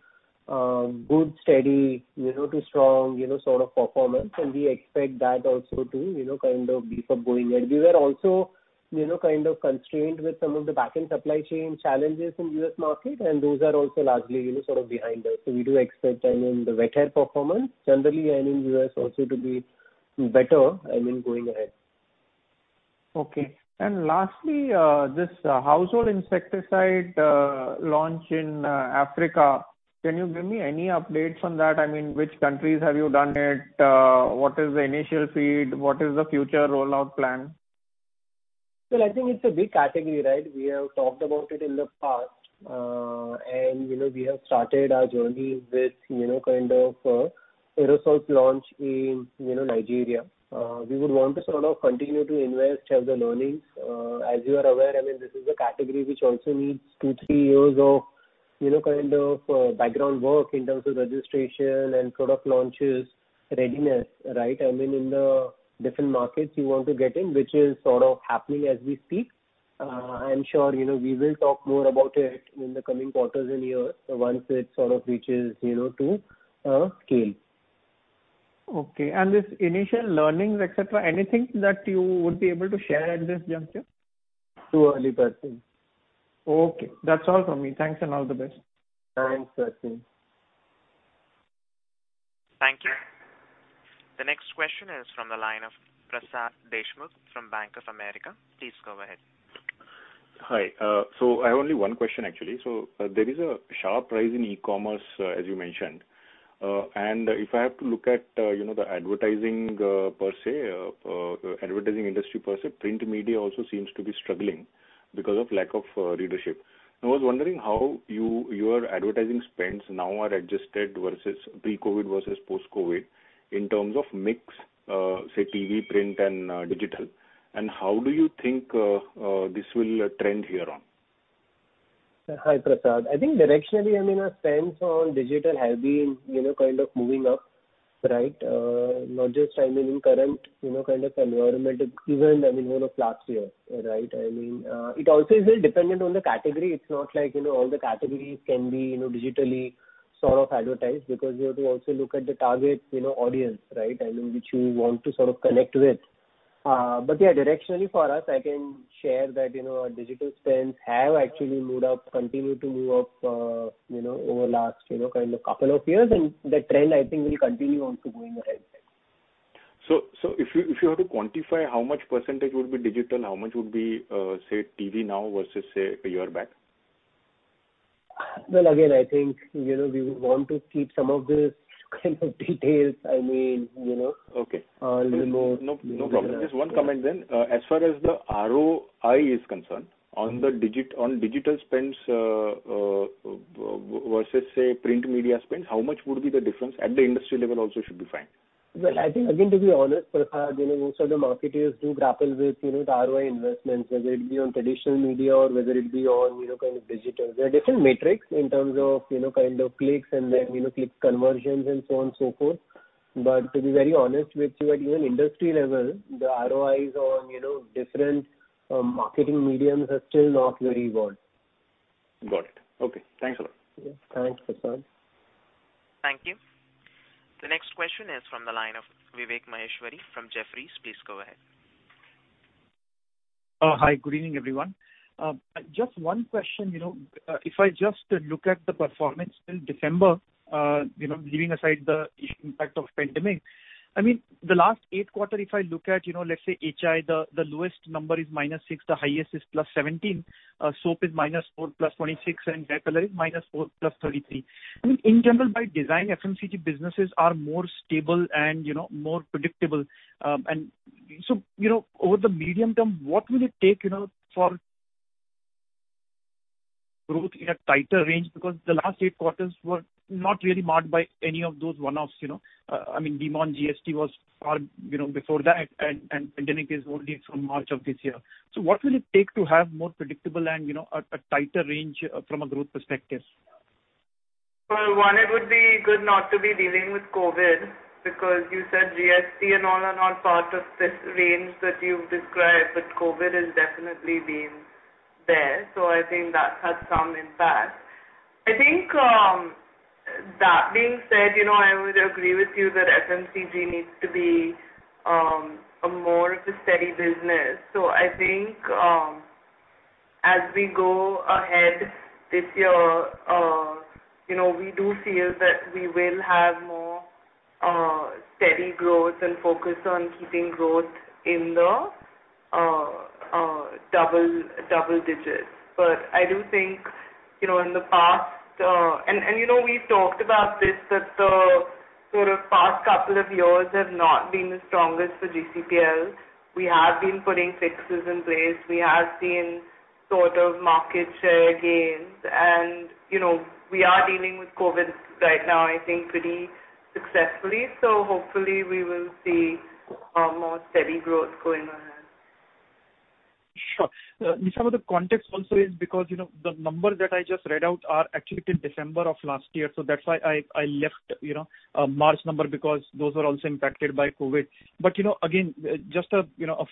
good, steady to strong sort of performance. We expect that also to kind of be [foregoing it]. We were also kind of constrained with some of the backend supply chain challenges in U.S. market, and those are also largely sort of behind us. We do expect the wet hair performance generally in U.S. also to be better going ahead. Okay. Lastly, this Household Insecticide launch in Africa, can you give me any updates on that? Which countries have you done it? What is the initial feedback? What is the future rollout plan? Well, I think it's a big category. We have talked about it in the past. We have started our journey with aerosols launch in Nigeria. We would want to sort of continue to invest, have the learnings. As you are aware, this is a category which also needs two, three years of background work in terms of registration and product launches readiness. In the different markets you want to get in, which is sort of happening as we speak. I'm sure we will talk more about it in the coming quarters and years once it sort of reaches to scale. Okay. This initial learnings, et cetera, anything that you would be able to share at this juncture? Too early, Percy. Okay. That's all from me. Thanks, and all the best. Thanks, Percy. Thank you. The next question is from the line of Prasad Deshmukh from Bank of America. Please go ahead. Hi. I have only one question, actually. There is a sharp rise in e-commerce, as you mentioned. If I have to look at the advertising industry per se, print media also seems to be struggling because of lack of readership. I was wondering how your advertising spends now are adjusted versus pre-COVID versus post-COVID in terms of mix, say TV, print, and digital. How do you think this will trend here on? Hi, Prasad. I think directionally, our spends on digital have been kind of moving up. Not just in current kind of environment, even whole of last year. It also is very dependent on the category. It's not like all the categories can be digitally sort of advertised because you have to also look at the target audience which you want to sort of connect with. Yeah, directionally for us, I can share that our digital spends have actually moved up, continued to move up over last couple of years, and that trend, I think, will continue also going ahead. If you were to quantify how much percentage would be digital, how much would be, say, TV now versus, say, a year back? Well, again, I think we would want to keep some of the kind of details a little more- Okay. No problem. Just one comment then. As far as the ROI is concerned on digital spends versus, say, print media spends, how much would be the difference at the industry level also should be fine? I think, again, to be honest, Prasad, most of the marketers do grapple with ROI investments, whether it be on traditional media or whether it be on kind of digital. There are different metrics in terms of clicks and then click conversions and so on and so forth. To be very honest with you, at even industry level, the ROIs on different marketing mediums are still not very good. Got it. Okay. Thanks a lot. Yeah. Thanks, Prasad. Thank you. The next question is from the line of Vivek Maheshwari from Jefferies. Please go ahead. Hi. Good evening, everyone. Just one question. If I just look at the performance till December, leaving aside the impact of pandemic, the last eight quarters, if I look at, let's say, HI, the lowest number is -6%, the highest is +17%. Soap is -4%, +26%, and hair color is -4%, +33%. In general, by design, FMCG businesses are more stable and more predictable. So, over the medium term, what will it take for growth in a tighter range? Because the last eight quarters were not really marked by any of those one-offs. Demonetisation GST was far before that, and pandemic is only from March of this year. So what will it take to have more predictable and a tighter range from a growth perspective? For one, it would be good not to be dealing with COVID, because you said GST and all are not part of this range that you've described, but COVID has definitely been there. I think that has some impact. I think that being said, I would agree with you that FMCG needs to be more of a steady business. I think as we go ahead this year, we do feel that we will have more steady growth and focus on keeping growth in the double digits. I do think in the past, and we've talked about this, that the sort of past couple of years have not been the strongest for GCPL. We have been putting fixes in place. We have seen sort of market share gains. We are dealing with COVID right now, I think pretty successfully. Hopefully we will see more steady growth going ahead. Sure. Nisaba, the context also is because the numbers that I just read out are actually till December of last year. That's why I left March number because those were also impacted by COVID-19. Again, just a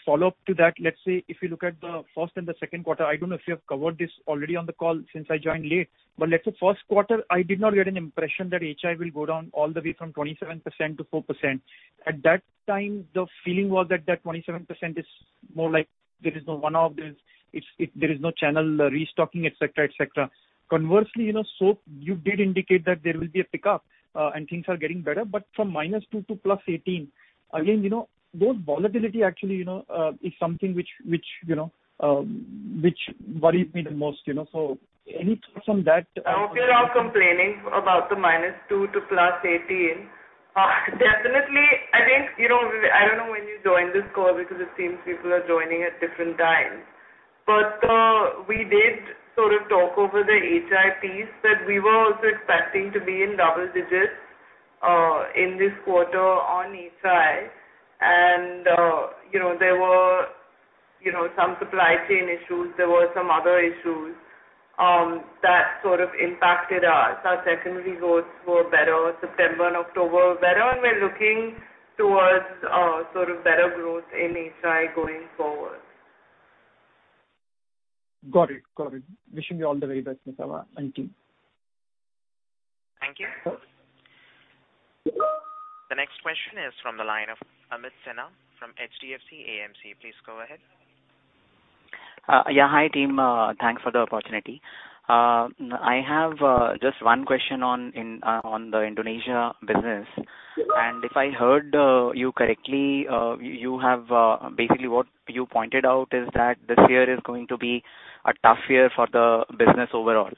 follow-up to that. Let's say if you look at the first and the second quarter, I don't know if you have covered this already on the call since I joined late. Let's say first quarter, I did not get an impression that HI will go down all the way from 27% to 4%. At that time, the feeling was that that 27% is more like there is no one-off, there is no channel restocking, et cetera. Conversely, soap, you did indicate that there will be a pickup and things are getting better, but from -2% to +18%. Again, those volatility actually is something which worries me the most. Any thoughts on that? I hope you're not complaining about the -2% to +18%. Definitely, I don't know when you joined this call because it seems people are joining at different times. We did sort of talk over the HI piece that we were also expecting to be in double digits in this quarter on HI. There were some supply chain issues. There were some other issues that sort of impacted us. Our secondary growths were better. September and October were better, and we're looking towards sort of better growth in HI going forward. Got it. Wishing you all the very best, Nisaba and team. Thank you. The next question is from the line of Amit Sinha from HDFC AMC. Please go ahead. Yeah. Hi, team. Thanks for the opportunity. I have just one question on the Indonesia business. If I heard you correctly, basically what you pointed out is that this year is going to be a tough year for the business overall.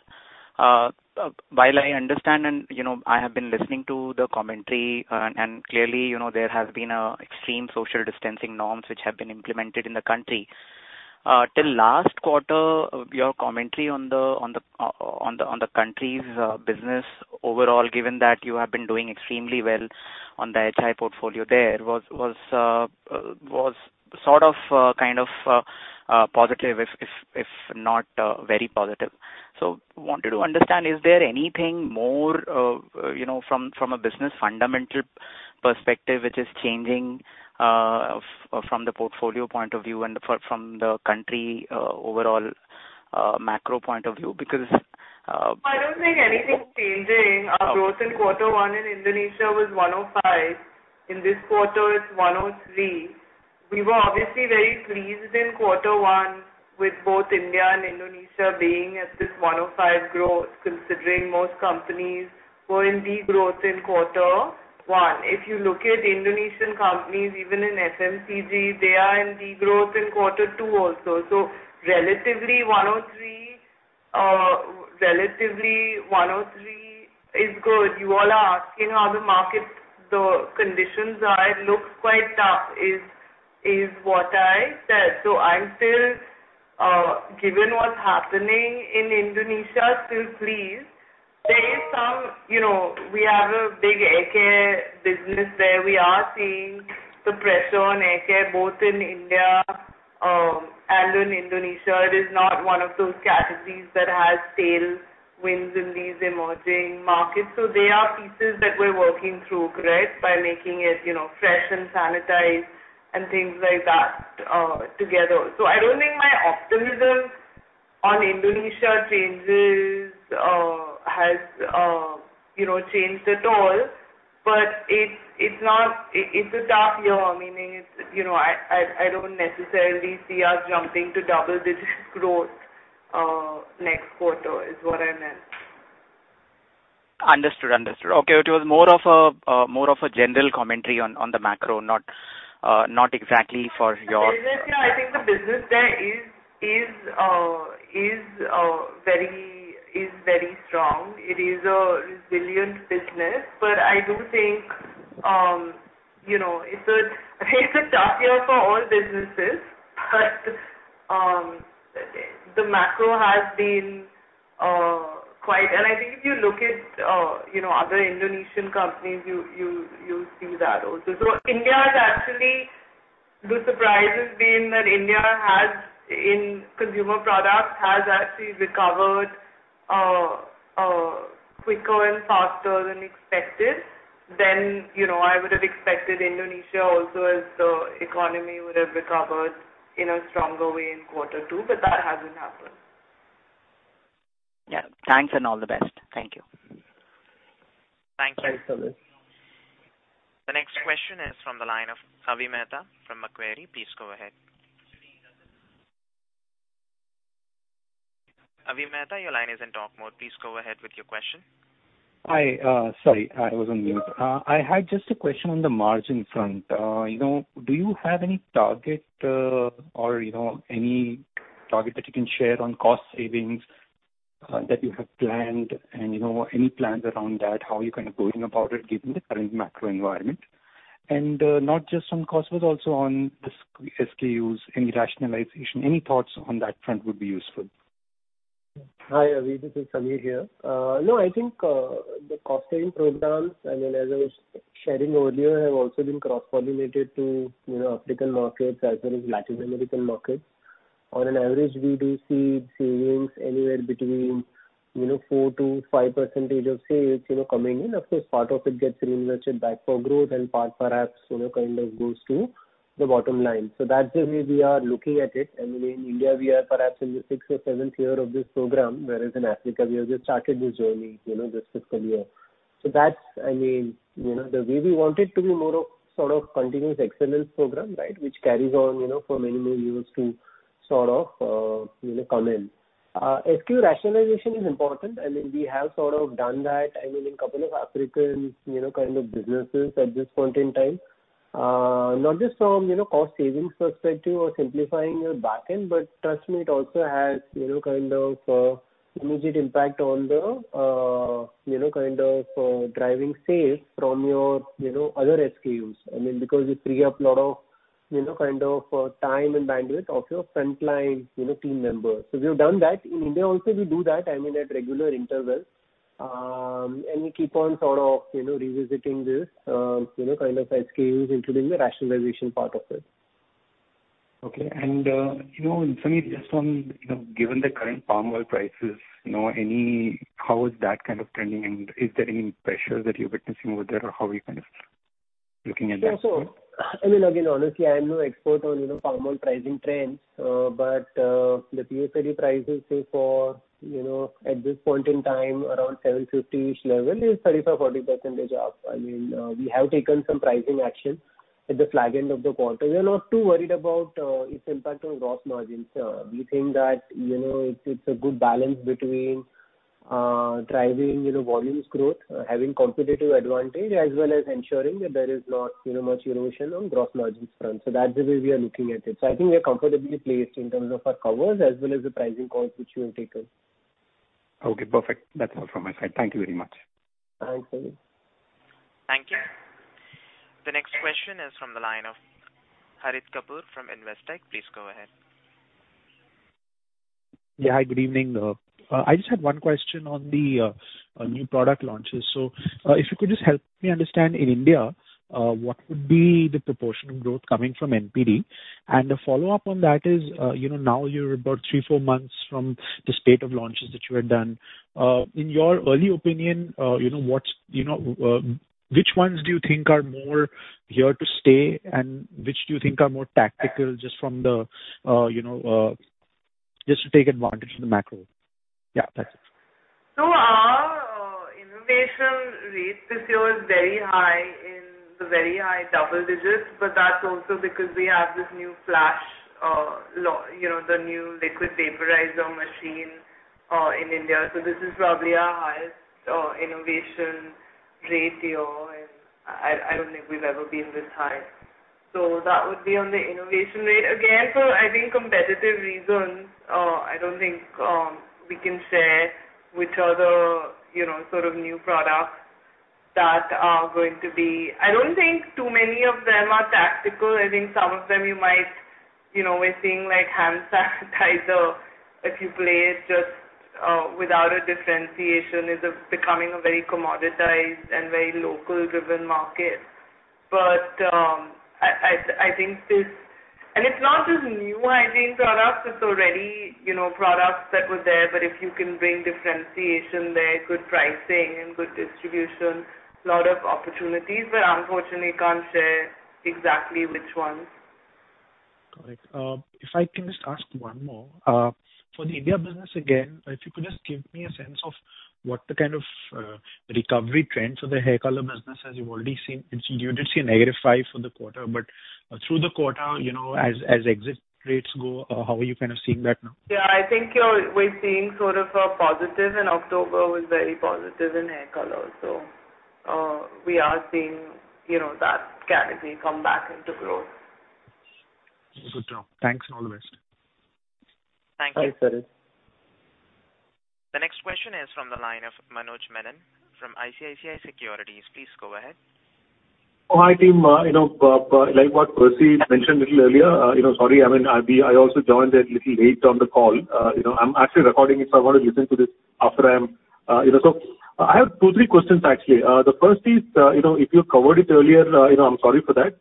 While I understand and I have been listening to the commentary and clearly there have been extreme social distancing norms which have been implemented in the country. Till last quarter, your commentary on the country's business overall, given that you have been doing extremely well on the HI portfolio there was sort of kind of positive if not very positive. Wanted to understand, is there anything more from a business fundamental perspective which is changing from the portfolio point of view and from the country overall macro point of view. I don't think anything's changing. Our growth in quarter one in Indonesia was 105. In this quarter it's 103. We were obviously very pleased in quarter one with both India and Indonesia being at this 105 growth considering most companies were in de-growth in quarter one. If you look at Indonesian companies even in FMCG, they are in de-growth in quarter two also. Relatively 103 is good. You all are asking how the market conditions are. It looks quite tough is what I said. Given what's happening in Indonesia, still pleased. We have a big hair care business there. We are seeing the pressure on hair care both in India and in Indonesia. It is not one of those categories that has tailwinds in these emerging markets. They are pieces that we're working through, correct? By making it fresh and sanitized and things like that together. I don't think my optimism on Indonesia changes or has changed at all. It's a tough year, meaning I don't necessarily see us jumping to double-digit growth next quarter is what I meant. Understood. Okay. It was more of a general commentary on the macro, not exactly for your- There is that. I think the business there is very strong. It is a resilient business. I do think it's a tough year for all businesses. I think if you look at other Indonesian companies, you will see that also. India is actually, the surprise has been that India, in consumer products, has actually recovered quicker and faster than expected. I would have expected Indonesia also as the economy would have recovered in a stronger way in quarter two, but that hasn't happened. Yeah. Thanks. All the best. Thank you. Thank you. The next question is from the line of Avi Mehta from Macquarie. Please go ahead. Avi Mehta, your line is in talk mode. Please go ahead with your question. Hi. Sorry, I was on mute. I had just a question on the margin front. Do you have any target that you can share on cost savings that you have planned and any plans around that, how you're going about it given the current macro environment? Not just on cost, but also on the SKUs, any rationalization, any thoughts on that front would be useful. Hi, Avi, this is Sameer here. I think, the cost-saving programs, and then as I was sharing earlier, have also been cross-pollinated to African markets as well as Latin American markets. On an average, we do see savings anywhere between 4%-5% of sales coming in. Of course, part of it gets reinvested back for growth and part perhaps kind of goes to the bottom line. That's the way we are looking at it. In India, we are perhaps in the sixth or seventh year of this program, whereas in Africa we have just started this journey, this fiscal year. That's the way we want it to be more of sort of continuous excellence program, right, which carries on for many more years to sort of come in. SKU rationalization is important. We have sort of done that in a couple of African kind of businesses at this point in time. Not just from cost savings perspective or simplifying your back end, trust me, it also has kind of immediate impact on the kind of driving sales from your other SKUs. You free up a lot of kind of time and bandwidth of your frontline team members. We've done that. In India also, we do that at regular intervals. We keep on sort of revisiting this kind of SKUs, including the rationalization part of it. Okay. Sameer, just from given the current palm oil prices, how is that kind of trending, and is there any pressures that you're witnessing with it, or how are you kind of looking at that space? Again, honestly, I am no expert on palm oil pricing trends. The [CPO] prices CIF at this point in time around 750-ish level is 35%, 40% up. We have taken some pricing action at the flag end of the quarter. We are not too worried about its impact on gross margins. We think that it's a good balance between driving volumes growth, having competitive advantage as well as ensuring that there is not much erosion on gross margins front. That's the way we are looking at it. I think we are comfortably placed in terms of our covers as well as the pricing calls which we have taken. Okay, perfect. That's all from my side. Thank you very much. Thanks, Avi. Thank you. The next question is from the line of Harit Kapoor from Investec. Please go ahead. Yeah. Hi, good evening. I just had one question on the new product launches. If you could just help me understand in India, what would be the proportion of growth coming from NPD? A follow-up on that is, now you're about three, four months from the spate of launches that you had done. In your early opinion, which ones do you think are more here to stay, and which do you think are more tactical just to take advantage of the macro? Yeah, that's it. Our innovation rate this year is very high in the very high double digits, but that's also because we have this new Flash, the new liquid vaporizer machine in India. This is probably our highest innovation rate here. I don't think we've ever been this high. That would be on the innovation rate. Again, for, I think, competitive reasons, I don't think we can share which are the sort of new products that are going to be- I don't think too many of them are tactical. I think some of them you might— we're seeing like hand sanitizer, if you play it just without a differentiation is becoming a very commoditized and very local-driven market. It's not just new, I think, products, it's already products that were there. If you can bring differentiation there, good pricing and good distribution, lot of opportunities. Unfortunately, can't share exactly which ones. Got it. If I can just ask one more. For the India business, again, if you could just give me a sense of what the kind of recovery trends for the hair color business, as you've already seen, you did see -5% for the quarter, but through the quarter, as exit rates go, how are you kind of seeing that now? Yeah, I think we're seeing sort of a positive in October, was very positive in hair color. We are seeing that category come back into growth. Good job. Thanks, and all the best. Thank you. The next question is from the line of Manoj Menon from ICICI Securities. Please go ahead. Oh, hi, team. Like what Percy mentioned a little earlier, sorry, I also joined a little late on the call. I'm actually recording it. I want to listen to this after. I have two, three questions, actually. The first is, if you covered it earlier, I'm sorry for that.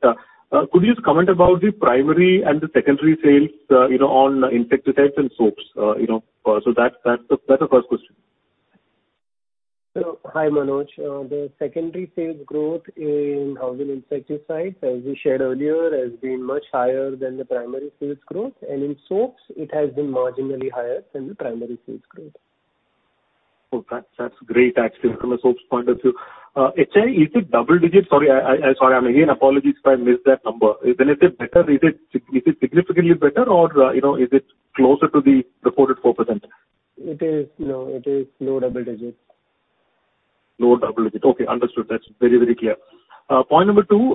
Could you just comment about the primary and the secondary sales on insecticides and soaps? That's the first question. Hi, Manoj. The secondary sales growth in Household Insecticides, as we shared earlier, has been much higher than the primary sales growth. In soaps, it has been marginally higher than the primary sales growth. Oh, that's great, actually, from a soap's point of view. Is it double digits? Sorry, again, apologies if I missed that number. Is it better? Is it significantly better or is it closer to the reported 4%? No, it is low double digits. Low double digits. Okay, understood. That's very clear. Point number two,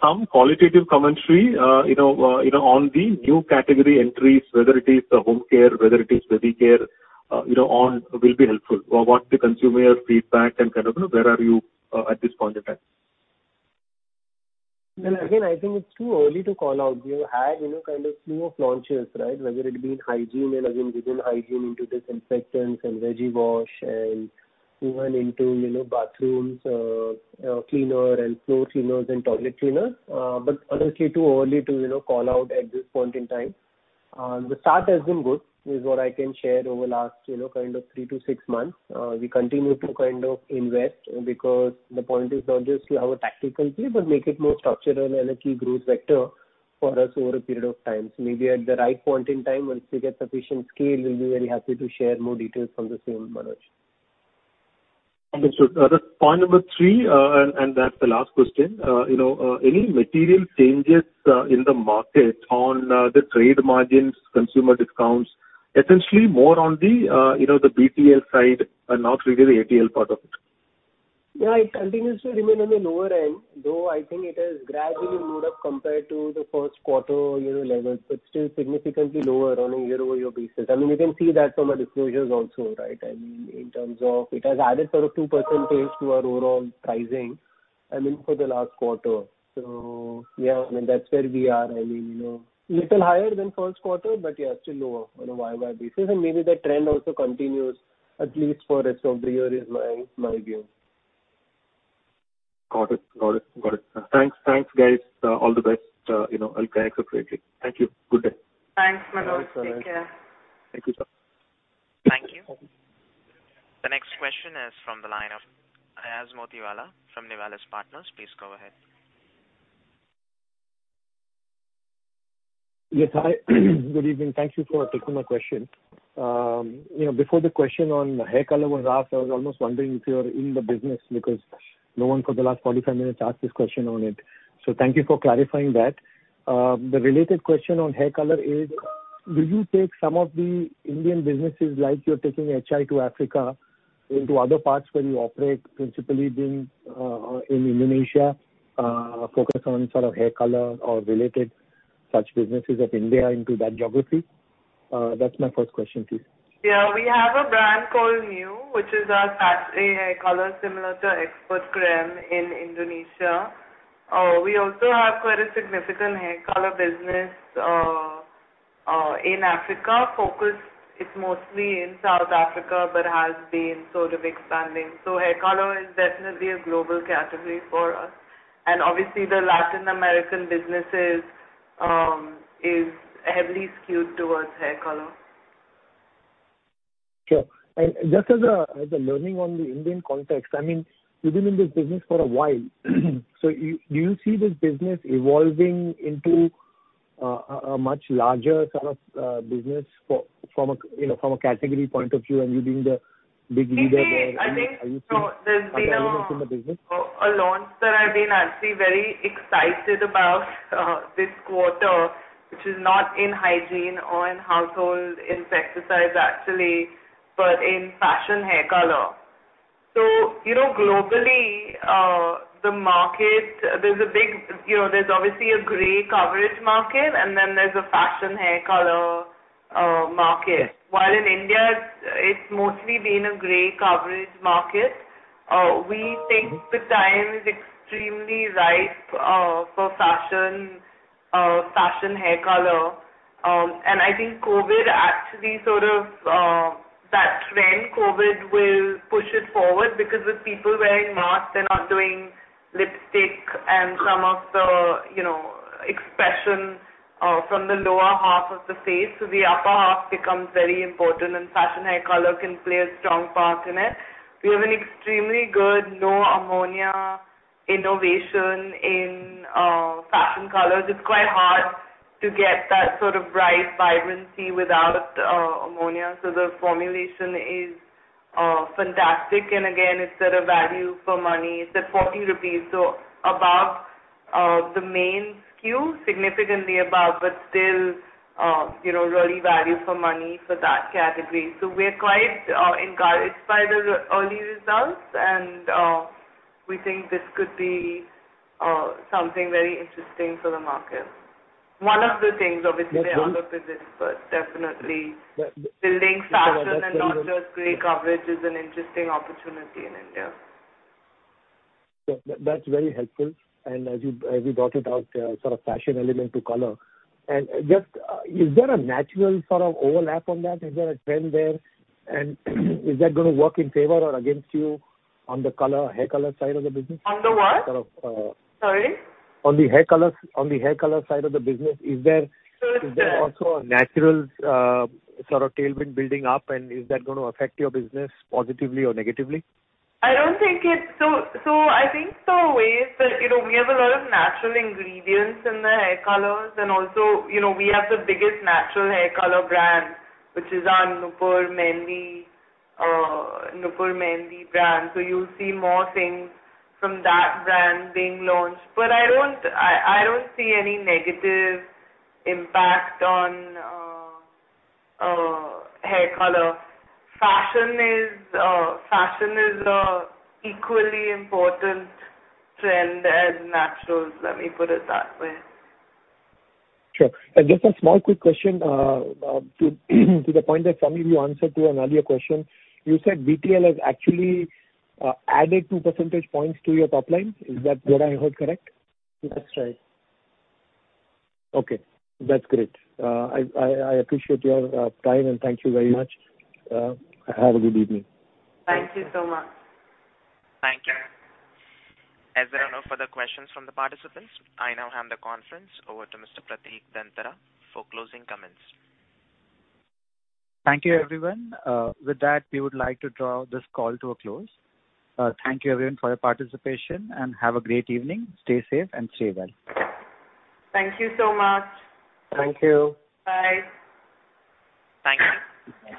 some qualitative commentary on the new category entries, whether it is home care, whether it is body care, will be helpful. What's the consumer feedback and where are you at this point in time? I think it's too early to call out. We have had kind of slew of launches. Whether it be in Hygiene and again, within Hygiene, into disinfectants and veggie wash and even into bathrooms cleaner and floor cleaners and toilet cleaners. Honestly, too early to call out at this point in time. The start has been good, is what I can share over last three to six months. We continue to invest because the point is not just to have a tactical play but make it more structural and a key growth vector for us over a period of time. Maybe at the right point in time, once we get sufficient scale, we'll be very happy to share more details on the same, Manoj. Understood. Point number three, that's the last question. Any material changes in the market on the trade margins, consumer discounts, essentially more on the BTL side and not really the ATL part of it. It continues to remain on the lower end, though I think it has gradually moved up compared to the first quarter year levels. Still significantly lower on a year-over-year basis. You can see that from our disclosures also. In terms of, it has added sort of 2 percentage to our overall pricing for the last quarter. Yeah, that's where we are. A little higher than first quarter, but yeah, still lower on a YoY basis, and maybe that trend also continues, at least for rest of the year is my view. Got it. Thanks, guys. All the best. I'll connect up with you. Thank you. Good day. Thanks, Manoj. Take care. Thank you, sir. Thank you. The next question is from the line of Ayaz Motiwala from Nivalis Partners. Please go ahead. Yes, hi. Good evening. Thank you for taking my question. Before the question on hair color was asked, I was almost wondering if you're in the business because no one for the last 45 minutes asked this question on it. Thank you for clarifying that. The related question on hair color is, will you take some of the Indian businesses like you're taking HI to Africa into other parts where you operate, principally in Indonesia, focus on hair color or related such businesses of India into that geography? That's my first question, please. Yeah, we have a brand called NYU, which is our hair color similar to Expert Crème in Indonesia. We also have quite a significant hair color business in Africa. Focus is mostly in South Africa, has been sort of expanding. Hair color is definitely a global category for us. Obviously, the Latin American businesses is heavily skewed towards hair color. Sure. Just as a learning on the Indian context, you've been in this business for a while. Do you see this business evolving into a much larger sort of business from a category point of view and you being the big leader there- You see. There's been a launch that I've been actually very excited about this quarter, which is not in Hygiene or in Household Insecticides, actually, but in fashion hair color. Globally, the market, there's obviously a gray coverage market, and then there's a fashion hair color market. While in India, it's mostly been a gray coverage market. We think the time is extremely ripe for fashion hair color. I think COVID actually sort of, that trend, COVID will push it forward because with people wearing masks, they're not doing lipstick and some of the expression from the lower half of the face. The upper half becomes very important and fashion hair color can play a strong part in it. We have an extremely good no-ammonia innovation in fashion colors. It's quite hard to get that sort of bright vibrancy without ammonia. The formulation is fantastic. Again, it's at a value for money. It's at 40 rupees, above the main SKU, significantly above, still really value for money for that category. We're quite encouraged by the early results, we think this could be something very interesting for the market. One of the things, obviously, there are other things, definitely building fashion and not just gray coverage is an interesting opportunity in India. That's very helpful. As you brought it out, sort of fashion element to color. Is there a natural overlap on that? Is there a trend there? Is that going to work in favor or against you on the hair color side of the business? On the what? Sorry. On the hair color side of the business. Is that also a natural tailwind building up, is that going to affect your business positively or negatively? I think so in ways that we have a lot of natural ingredients in the hair colors. Also, we have the biggest natural hair color brand, which is our Nupur Henna brand. You'll see more things from that brand being launched. I don't see any negative impact on hair color. Fashion is an equally important trend as naturals, let me put it that way. Sure. Just a small quick question, to the point that, Sameer, you answered to an earlier question. You said BTL has actually added 2 percentage points to your top line. Is what I heard correct? That's right. Okay, that's great. I appreciate your time and thank you very much. Have a good evening. Thank you so much. Thank you. As there are no further questions from the participants, I now hand the conference over to Mr. Pratik Dantara for closing comments. Thank you, everyone. With that, we would like to draw this call to a close. Thank you everyone for your participation and have a great evening. Stay safe and stay well. Thank you so much. Thank you. Bye. Thank you.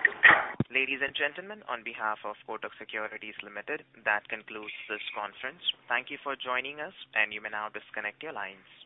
Ladies and gentlemen, on behalf of Kotak Securities Limited, that concludes this conference. Thank you for joining us, you may now disconnect your lines.